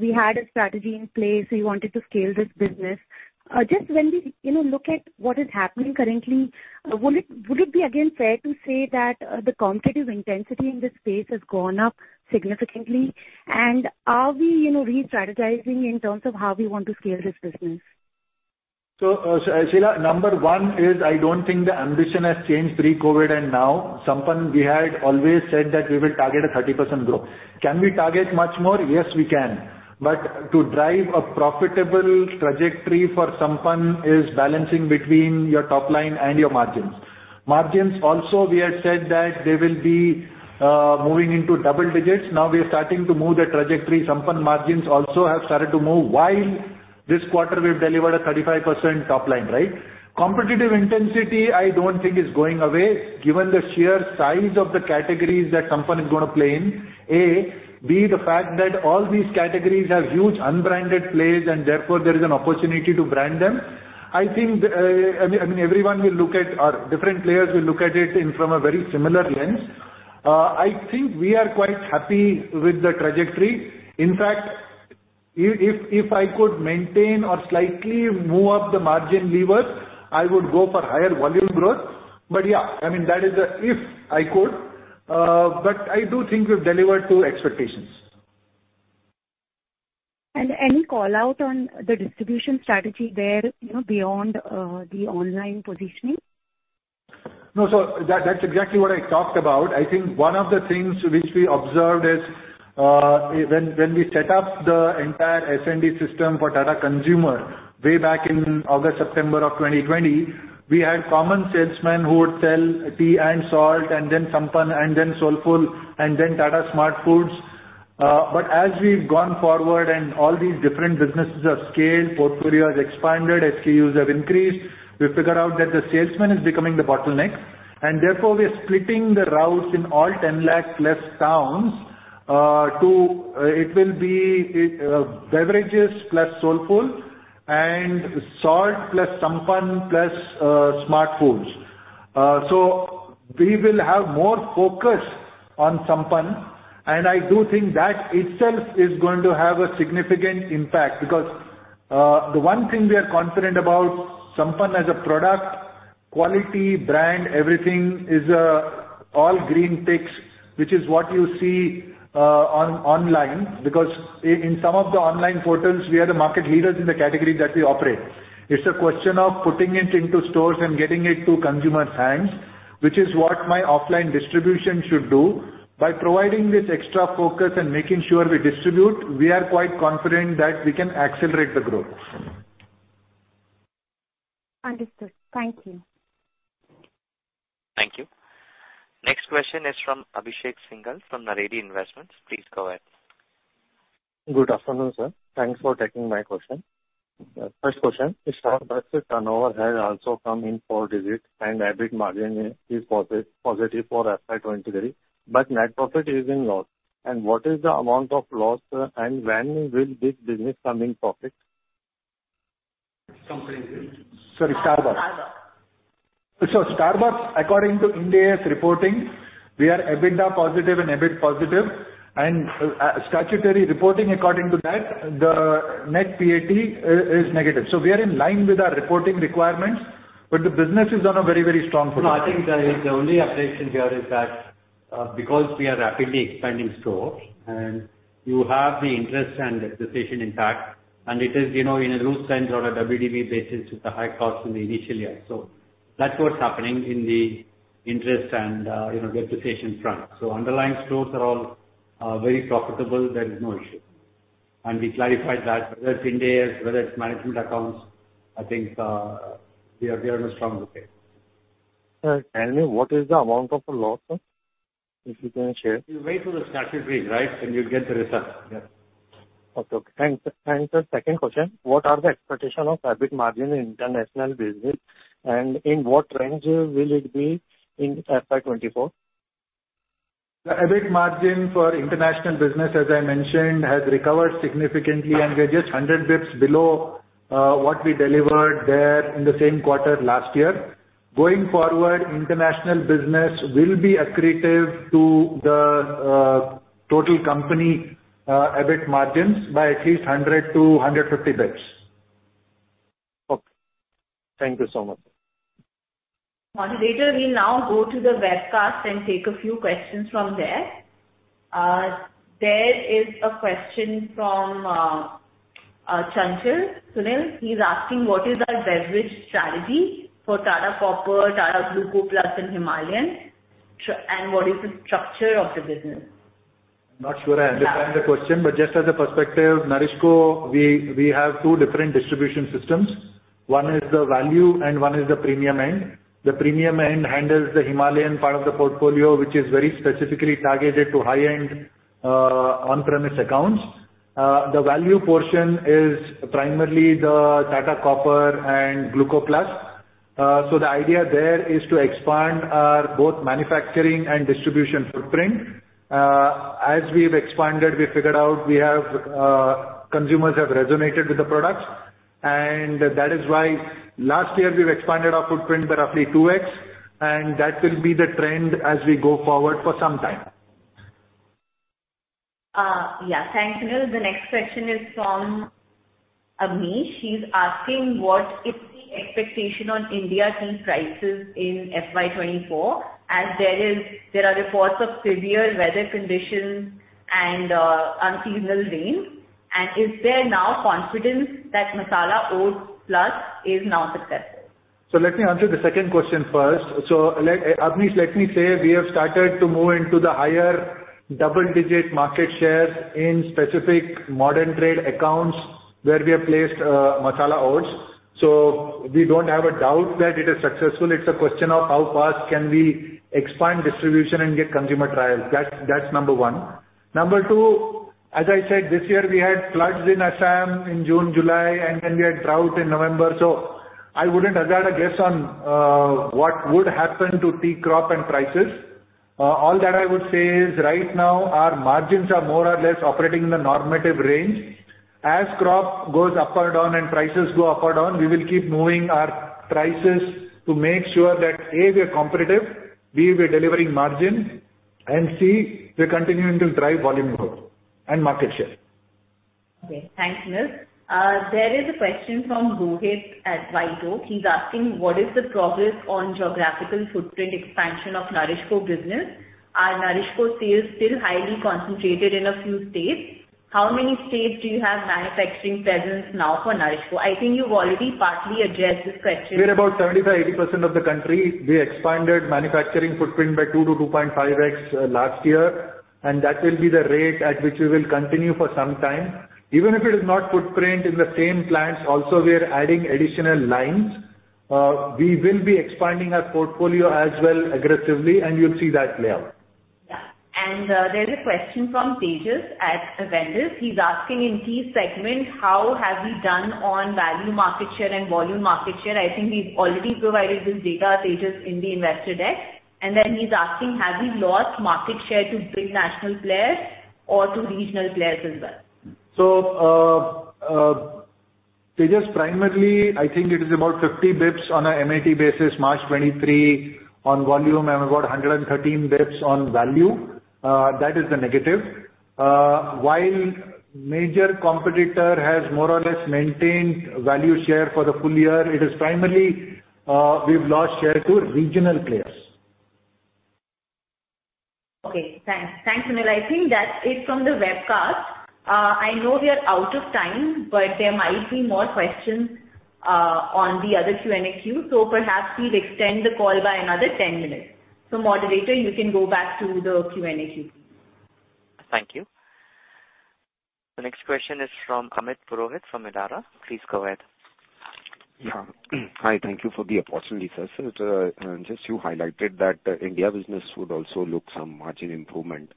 we had a strategy in place, we wanted to scale this business. Just when we, you know, look at what is happening currently, would it be again fair to say that the competitive intensity in this space has gone up significantly? Are we, you know, re-strategizing in terms of how we want to scale this business? Sheela, number one is I don't think the ambition has changed pre-COVID and now. Sampann, we had always said that we will target a 30% growth. Can we target much more? Yes, we can. To drive a profitable trajectory for Sampann is balancing between your top line and your margins. Margins also we had said that they will be moving into double digits. Now we are starting to move the trajectory. Sampann margins also have started to move, while this quarter we've delivered a 35% top line, right? Competitive intensity I don't think is going away given the sheer size of the categories that Sampann is gonna play in, A. B, the fact that all these categories have huge unbranded plays, and therefore there is an opportunity to brand them. I think, I mean, I mean everyone will look at different players will look at it in from a very similar lens. I think we are quite happy with the trajectory. In fact, if I could maintain or slightly move up the margin levers, I would go for higher volume growth. Yeah, I mean, that is the if I could. I do think we've delivered to expectations. Any call-out on the distribution strategy there, you know, beyond the online positioning? No. That's exactly what I talked about. I think one of the things which we observed is, when we set up the entire S&D system for Tata Consumer way back in August, September of 2020, we had common salesmen who would sell tea and salt and then Sampann and then Soulfull and then Tata SmartFoodz. As we've gone forward and all these different businesses have scaled, portfolio has expanded, SKUs have increased, we figured out that the salesman is becoming the bottleneck. Therefore, we're splitting the routes in all 10 lakh plus towns. It will be beverages plus Soulfull and salt plus Sampann plus SmartFoodz. We will have more focus on Sampann, and I do think that itself is going to have a significant impact because the one thing we are confident about Sampann as a product, quality, brand, everything is all green ticks, which is what you see online. In some of the online portals, we are the market leaders in the category that we operate. It's a question of putting it into stores and getting it to consumers' hands, which is what my offline distribution should do. By providing this extra focus and making sure we distribute, we are quite confident that we can accelerate the growth. Understood. Thank you. Thank you. Next question is from Abhishek Singhal, from Naredi Investments. Please go ahead. Good afternoon, sir. Thanks for taking my question. First question is for Starbucks' turnover has also come in four digits and EBIT margin is positive for FY23, but net profit is in loss. What is the amount of loss, and when will this business come in profit? Sampann you mean? Sorry, Starbucks. Starbucks, according to India's reporting, we are EBITDA positive and EBIT positive. Statutory reporting according to that, the net PAT is negative. We are in line with our reporting requirements, but the business is on a very, very strong footing. No, I think the only update here is that, because we are rapidly expanding stores and you have the interest and depreciation impact, and it is, you know, in a loose sense on a WDB basis with the high costs in the initial years. That's what's happening in the interest and, you know, depreciation front. Underlying stores are all very profitable. There is no issue. We clarified that, whether it's Ind AS, whether it's management accounts, I think, we are, we are in a strong place. Sir, tell me what is the amount of the loss, sir? If you can share. You wait for the statutory, right, and you'll get the results. Yeah. Okay. Thanks. Second question, what are the expectation of EBIT margin in international business, and in what range will it be in FY24? The EBIT margin for international business, as I mentioned, has recovered significantly. We're just 100 basis points below what we delivered there in the same quarter last year. Going forward, international business will be accretive to the total company EBIT margins by at least 100-150 basis points. Okay. Thank you so much. Operator, we now go to the webcast and take a few questions from there. There is a question from Chanchal. Sunil, he's asking: What is our beverage strategy for Tata Copper+, Tata Gluco+, and Himalayan? What is the structure of the business? I'm not sure I understand the question. Just as a perspective, Nourishco, we have two different distribution systems. One is the value and one is the premium end. The premium end handles the Himalayan part of the portfolio, which is very specifically targeted to high-end, on-premise accounts. The value portion is primarily the Tata Copper+ and Gluco+. The idea there is to expand both manufacturing and distribution footprint. As we've expanded, we figured out consumers have resonated with the products. That is why last year we've expanded our footprint by roughly 2x, and that will be the trend as we go forward for some time. Yeah. Thanks, Sunil. The next question is from Agni. She's asking, what is the expectation on India tea prices in FY24 as there are reports of severe weather conditions and unseasonal rain. Is there now confidence that Masala Oats+ is now successful? Let me answer the second question first. Agni, let me say we have started to move into the higher double-digit market shares in specific modern trade accounts where we have placed Masala Oats. We don't have a doubt that it is successful. It's a question of how fast can we expand distribution and get consumer trials. That's number one. Number two, as I said, this year we had floods in Assam in June, July, and then we had drought in November. I wouldn't hazard a guess on what would happen to tea crop and prices. All that I would say is right now our margins are more or less operating in the normative range. As crop goes up or down and prices go up or down, we will keep moving our prices to make sure that, A, we are competitive, B, we are delivering margin, and C, we are continuing to drive volume growth and market share. Okay, thanks, Sunil. There is a question from Rohit at YO. He's asking what is the progress on geographical footprint expansion of Nourishco business. Are Nourishco sales still highly concentrated in a few states? How many states do you have manufacturing presence now for Nourishco? I think you've already partly addressed this question. We're about 75%, 80% of the country. We expanded manufacturing footprint by 2x-2.5x last year. That will be the rate at which we will continue for some time. Even if it is not footprint in the same plants also we are adding additional lines. We will be expanding our portfolio as well aggressively and you'll see that play out. Yeah. There's a question from Tejas at Vendis. He's asking in key segments, how have we done on value market share and volume market share? I think we've already provided this data, Tejas, in the investor deck. Then he's asking, have we lost market share to big national players or to regional players as well? Tejas, primarily I think it is about 50 bps on a MAT basis, March 2023 on volume and about 113 bps on value. That is the negative. While major competitor has more or less maintained value share for the full year, it is primarily, we've lost share to regional players. Okay, thanks. Thanks, Sunil. I think that's it from the webcast. I know we are out of time, but there might be more questions on the other Q&A queue. Perhaps we'll extend the call by another 10 minutes. Operator, you can go back to the Q&A queue. Thank you. The next question is from Amit Purohit from Elara. Please go ahead. Yeah. Hi. Thank you for the opportunity, sir. Just you highlighted that India business would also look some margin improvement.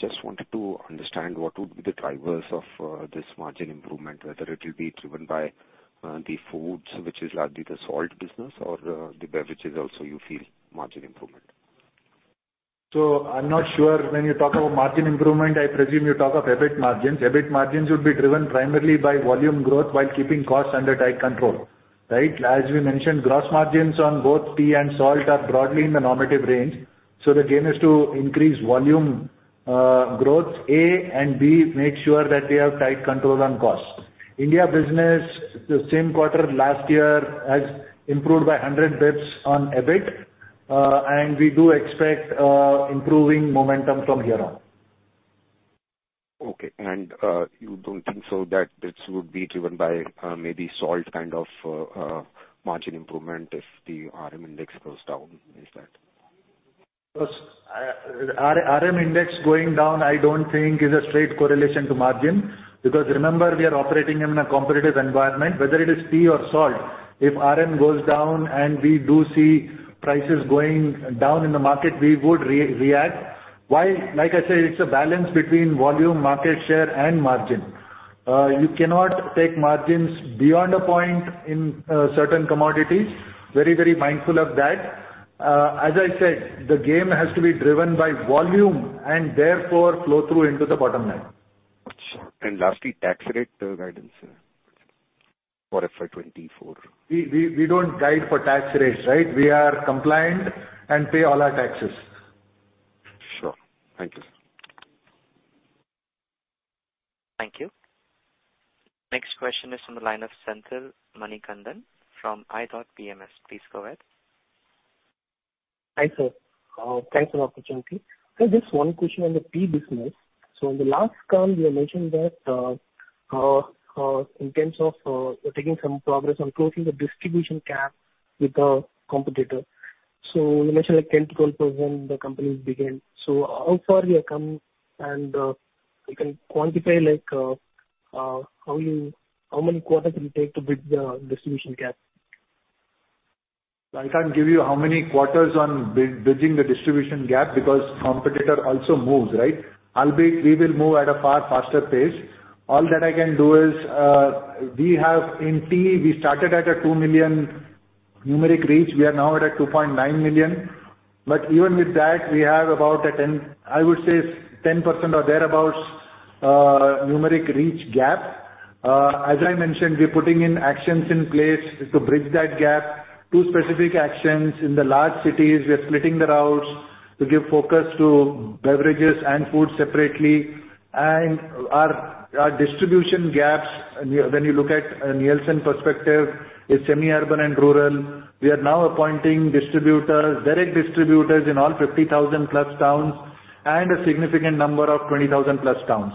Just wanted to understand what would be the drivers of this margin improvement, whether it will be driven by the foods, which is largely the salt business or the beverages also you feel margin improvement? I'm not sure when you talk about margin improvement, I presume you talk of EBIT margins. EBIT margins would be driven primarily by volume growth while keeping costs under tight control. Right. As we mentioned, gross margins on both tea and salt are broadly in the normative range. The game is to increase volume growth, A, and B, make sure that we have tight control on cost. India business the same quarter last year has improved by 100 basis points on EBIT, and we do expect improving momentum from here on. Okay. You don't think so that this would be driven by, maybe salt kind of, margin improvement if the RM index goes down. Is that. RM index going down I don't think is a straight correlation to margin because remember we are operating in a competitive environment. Whether it is tea or salt, if RM goes down and we do see prices going down in the market, we would re-react. While, like I say, it's a balance between volume, market share and margin. You cannot take margins beyond a point in certain commodities. Very, very mindful of that. As I said, the game has to be driven by volume and therefore flow through into the bottom line. Got you. Lastly, tax rate guidance, sir, for FY24? We don't guide for tax rates, right? We are compliant and pay all our taxes. Sure. Thank you, sir. Thank you. Next question is from the line of Senthil Manikandan from ithought PMS. Please go ahead. Hi, Sir. Thanks for the opportunity. Just one question on the tea business. In the last call you mentioned that in terms of taking some progress on closing the distribution gap with the competitor. You mentioned like 10%-12% the company is big in. How far we have come and you can quantify like how many quarters it will take to bridge the distribution gap? I can't give you how many quarters on build-bridging the distribution gap because competitor also moves, right? We will move at a far faster pace. All that I can do is, we have in tea, we started at a 2 million reach, we are now at a 2.9 million. Even with that, we have about a 10% or thereabouts numeric reach gap. As I mentioned, we're putting in actions in place to bridge that gap. Two specific actions in the large cities, we are splitting the routes to give focus to beverages and food separately. Our distribution gaps, when you look at a Nielsen perspective, is semi-urban and rural. We are now appointing distributors, direct distributors in all 50,000 plus towns and a significant number of 20,000 plus towns.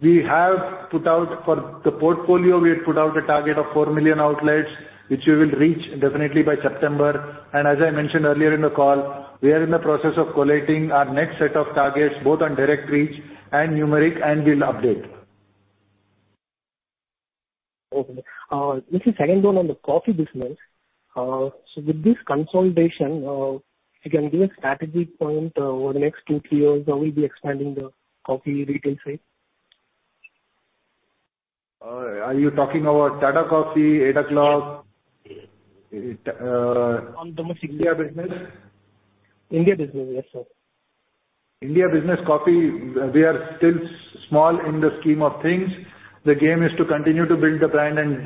We have put out for the portfolio, we have put out a target of 4 million outlets, which we will reach definitely by September. As I mentioned earlier in the call, we are in the process of collating our next set of targets, both on direct reach and numeric, and we'll update. Okay. Just a second one on the coffee business. With this consolidation, you can give a strategy point over the next two, three years, how we'll be expanding the coffee retail side? Are you talking about Tata Coffee, Eight O'Clock? On domestic India business. India business, yes, sir. India business coffee, we are still small in the scheme of things. The game is to continue to build the brand and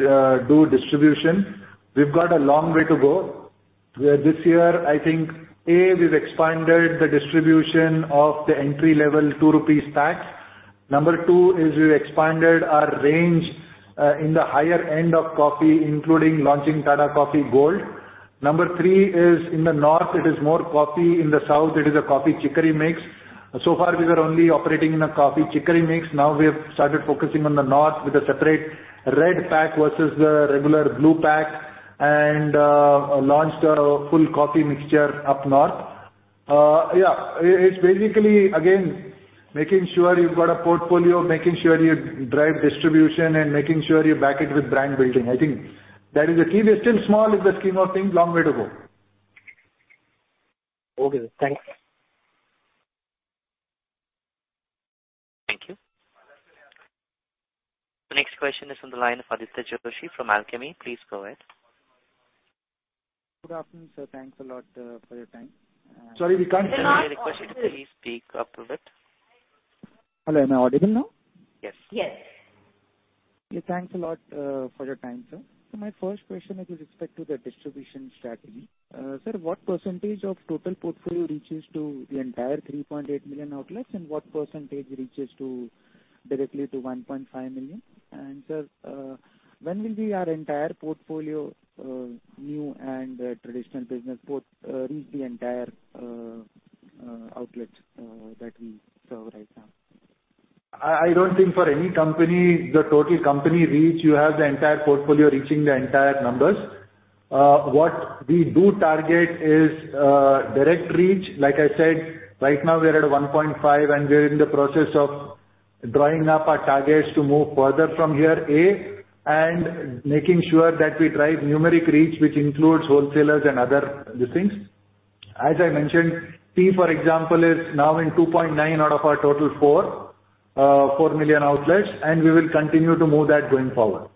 do distribution. We've got a long way to go, where this year, I think, A, we've expanded the distribution of the entry-level 2 rupees packs. Number two is we've expanded our range in the higher end of coffee, including launching Tata Coffee Gold. Number three is in the North, it is more coffee, in the South, it is a coffee chicory mix. So far, we were only operating in a coffee chicory mix. Now we have started focusing on the North with a separate red pack versus the regular blue pack and launched our full coffee mixture up North. Yeah, it's basically again, making sure you've got a portfolio, making sure you drive distribution and making sure you back it with brand building. I think that is the key. We're still small in the scheme of things. Long way to go. Okay. Thanks. Thank you. The next question is on the line of Aditya Joshi from Alchemy. Please go ahead. Good afternoon, sir. Thanks a lot, for your time. Sorry, we can't hear you. May I request you to please speak up a little bit. Hello, am I audible now? Yes. Yes. Yeah, thanks a lot for your time, sir. My first question is with respect to the distribution strategy. Sir, what % of total portfolio reaches to the entire 3.8 million outlets, and what % reaches to directly to 1.5 million? Sir, when will be our entire portfolio, new and traditional business both, reach the entire outlets that we serve right now? I don't think for any company, the total company reach, you have the entire portfolio reaching the entire numbers. What we do target is direct reach. Like I said, right now we're at 1.5, and we're in the process of drawing up our targets to move further from here, A, and making sure that we drive numeric reach, which includes wholesalers and other listings. As I mentioned, tea, for example, is now in 2.9 out of our total 4 million outlets, and we will continue to move that going forward.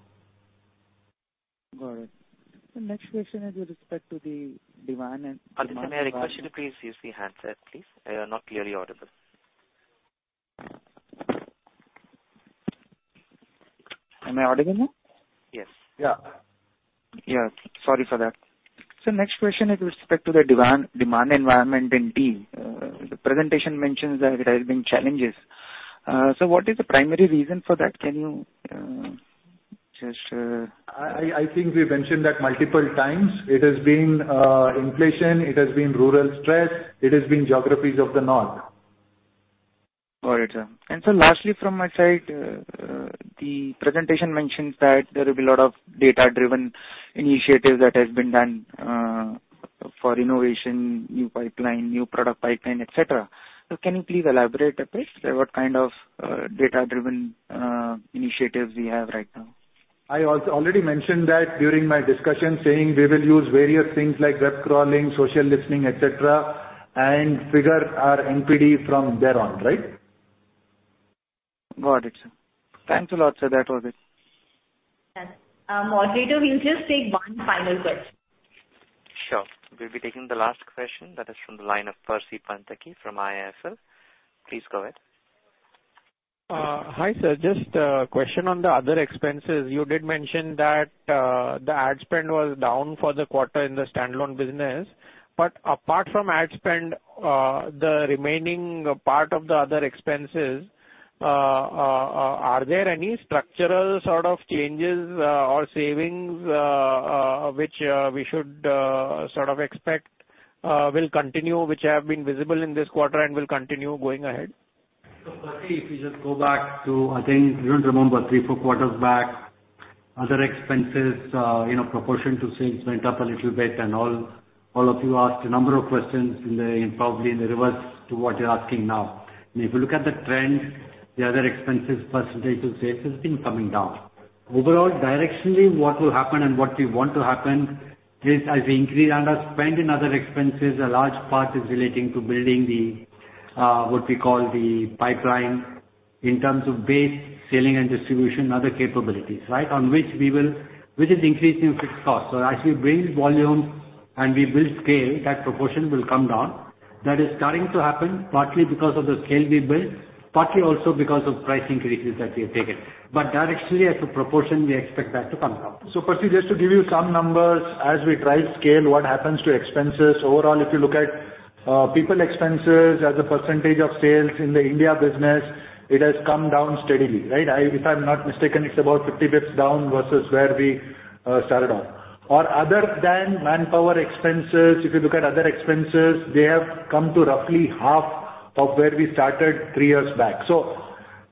Got it. The next question is with respect to the demand and- Aditya, may I request you to please use the handset, please? You're not clearly audible. Am I audible now? Yes. Yeah. Yeah, sorry for that. Next question is with respect to the demand environment in tea. The presentation mentions that there has been challenges. What is the primary reason for that? Can you just. I think we've mentioned that multiple times. It has been inflation, it has been rural stress, it has been geographies of the North. Got it, sir. Sir, lastly from my side, the presentation mentions that there will be a lot of data-driven initiatives that has been done for innovation, new pipeline, new product pipeline, et cetera. Can you please elaborate a bit what kind of data-driven initiatives we have right now? I already mentioned that during my discussion, saying we will use various things like web crawling, social listening, et cetera, and figure our NPD from there on, right? Got it, sir. Thanks a lot, sir. That was it. Yes. Operator, we'll just take one final question. Sure. We'll be taking the last question. That is from the line of Percy Panthaki from IIFL. Please go ahead. Hi Sir. Just a question on the other expenses. You did mention that the ad spend was down for the quarter in the standalone business. But apart from ad spend, the remaining part of the other expenses, are there any structural sort of changes or savings which we should sort of expect will continue, which have been visible in this quarter and will continue going ahead? Percy, if you just go back to, I think, you remember three, four quarters back, other expenses, you know, proportion to sales went up a little bit and all of you asked a number of questions probably in the reverse to what you're asking now. If you look at the trend, the other expenses % to sales has been coming down. Overall, directionally, what will happen and what we want to happenThis as we increase our spend in other expenses, a large part is relating to building the, what we call the pipeline in terms of base selling and distribution and other capabilities, right? Which is increasing fixed costs. As we bring volume and we build scale, that proportion will come down. That is starting to happen partly because of the scale we build, partly also because of price increases that we have taken. Directionally, as a proportion, we expect that to come down. Percy, just to give you some numbers, as we drive scale, what happens to expenses? Overall, if you look at people expenses as a percentage of sales in the India business, it has come down steadily, right? If I'm not mistaken, it's about 50 bps down versus where we started off. Other than manpower expenses, if you look at other expenses, they have come to roughly half of where we started three years back.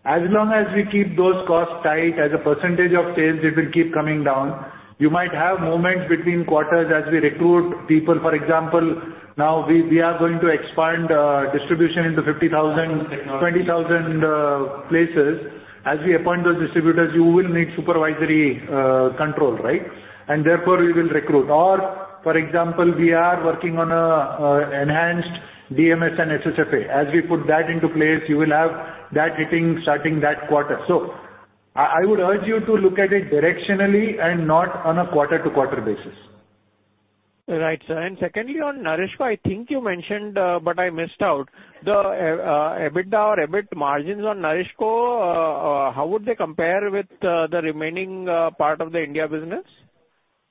As long as we keep those costs tight as a percentage of sales, it will keep coming down. You might have moments between quarters as we recruit people. For example, now we are going to expand distribution into 20,000 places. As we appoint those distributors, you will need supervisory control, right? Therefore, we will recruit. For example, we are working on an enhanced DMS and SSFA. As we put that into place, you will have that hitting starting that quarter. I would urge you to look at it directionally and not on a quarter-to-quarter basis. Right, sir. Secondly, on Nourishco, I think you mentioned, but I missed out. The EBITDA or EBIT margins on Nourishco, how would they compare with the remaining part of the India business?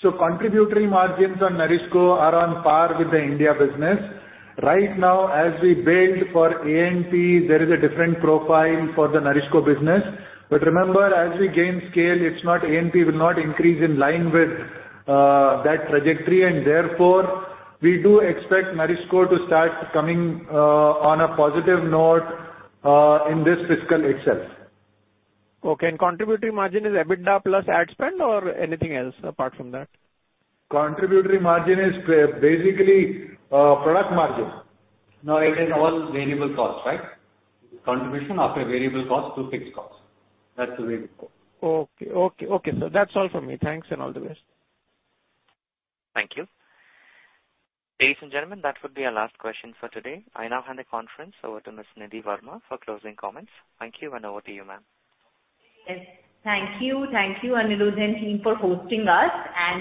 Contributory margins on Nourishco are on par with the India business. Right now, as we build for A&P, there is a different profile for the Nourishco business. Remember, as we gain scale, A&P will not increase in line with that trajectory, and therefore we do expect Nourishco to start coming on a positive note in this fiscal itself. Okay. contributory margin is EBITDA plus ad spend or anything else apart from that? Contributory margin is basically, product margin. No, it is all variable cost, right? Contribution of a variable cost to fixed cost. That's the way to go. Okay. Okay. Okay, sir. That's all for me. Thanks and all the best. Thank you. Ladies and gentlemen, that would be our last question for today. I now hand the conference over to Ms. Nidhi Verma for closing comments. Thank you and over to you, ma'am. Yes, thank you. Thank you, Anirudh Joshi team, for hosting us.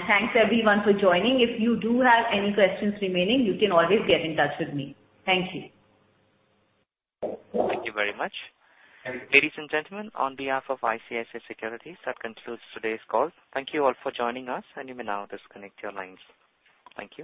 Thanks, everyone, for joining. If you do have any questions remaining, you can always get in touch with me. Thank you. Thank you very much. Ladies and gentlemen, on behalf of ICICI Securities, that concludes today's call. Thank you all for joining us. You may now disconnect your lines. Thank you.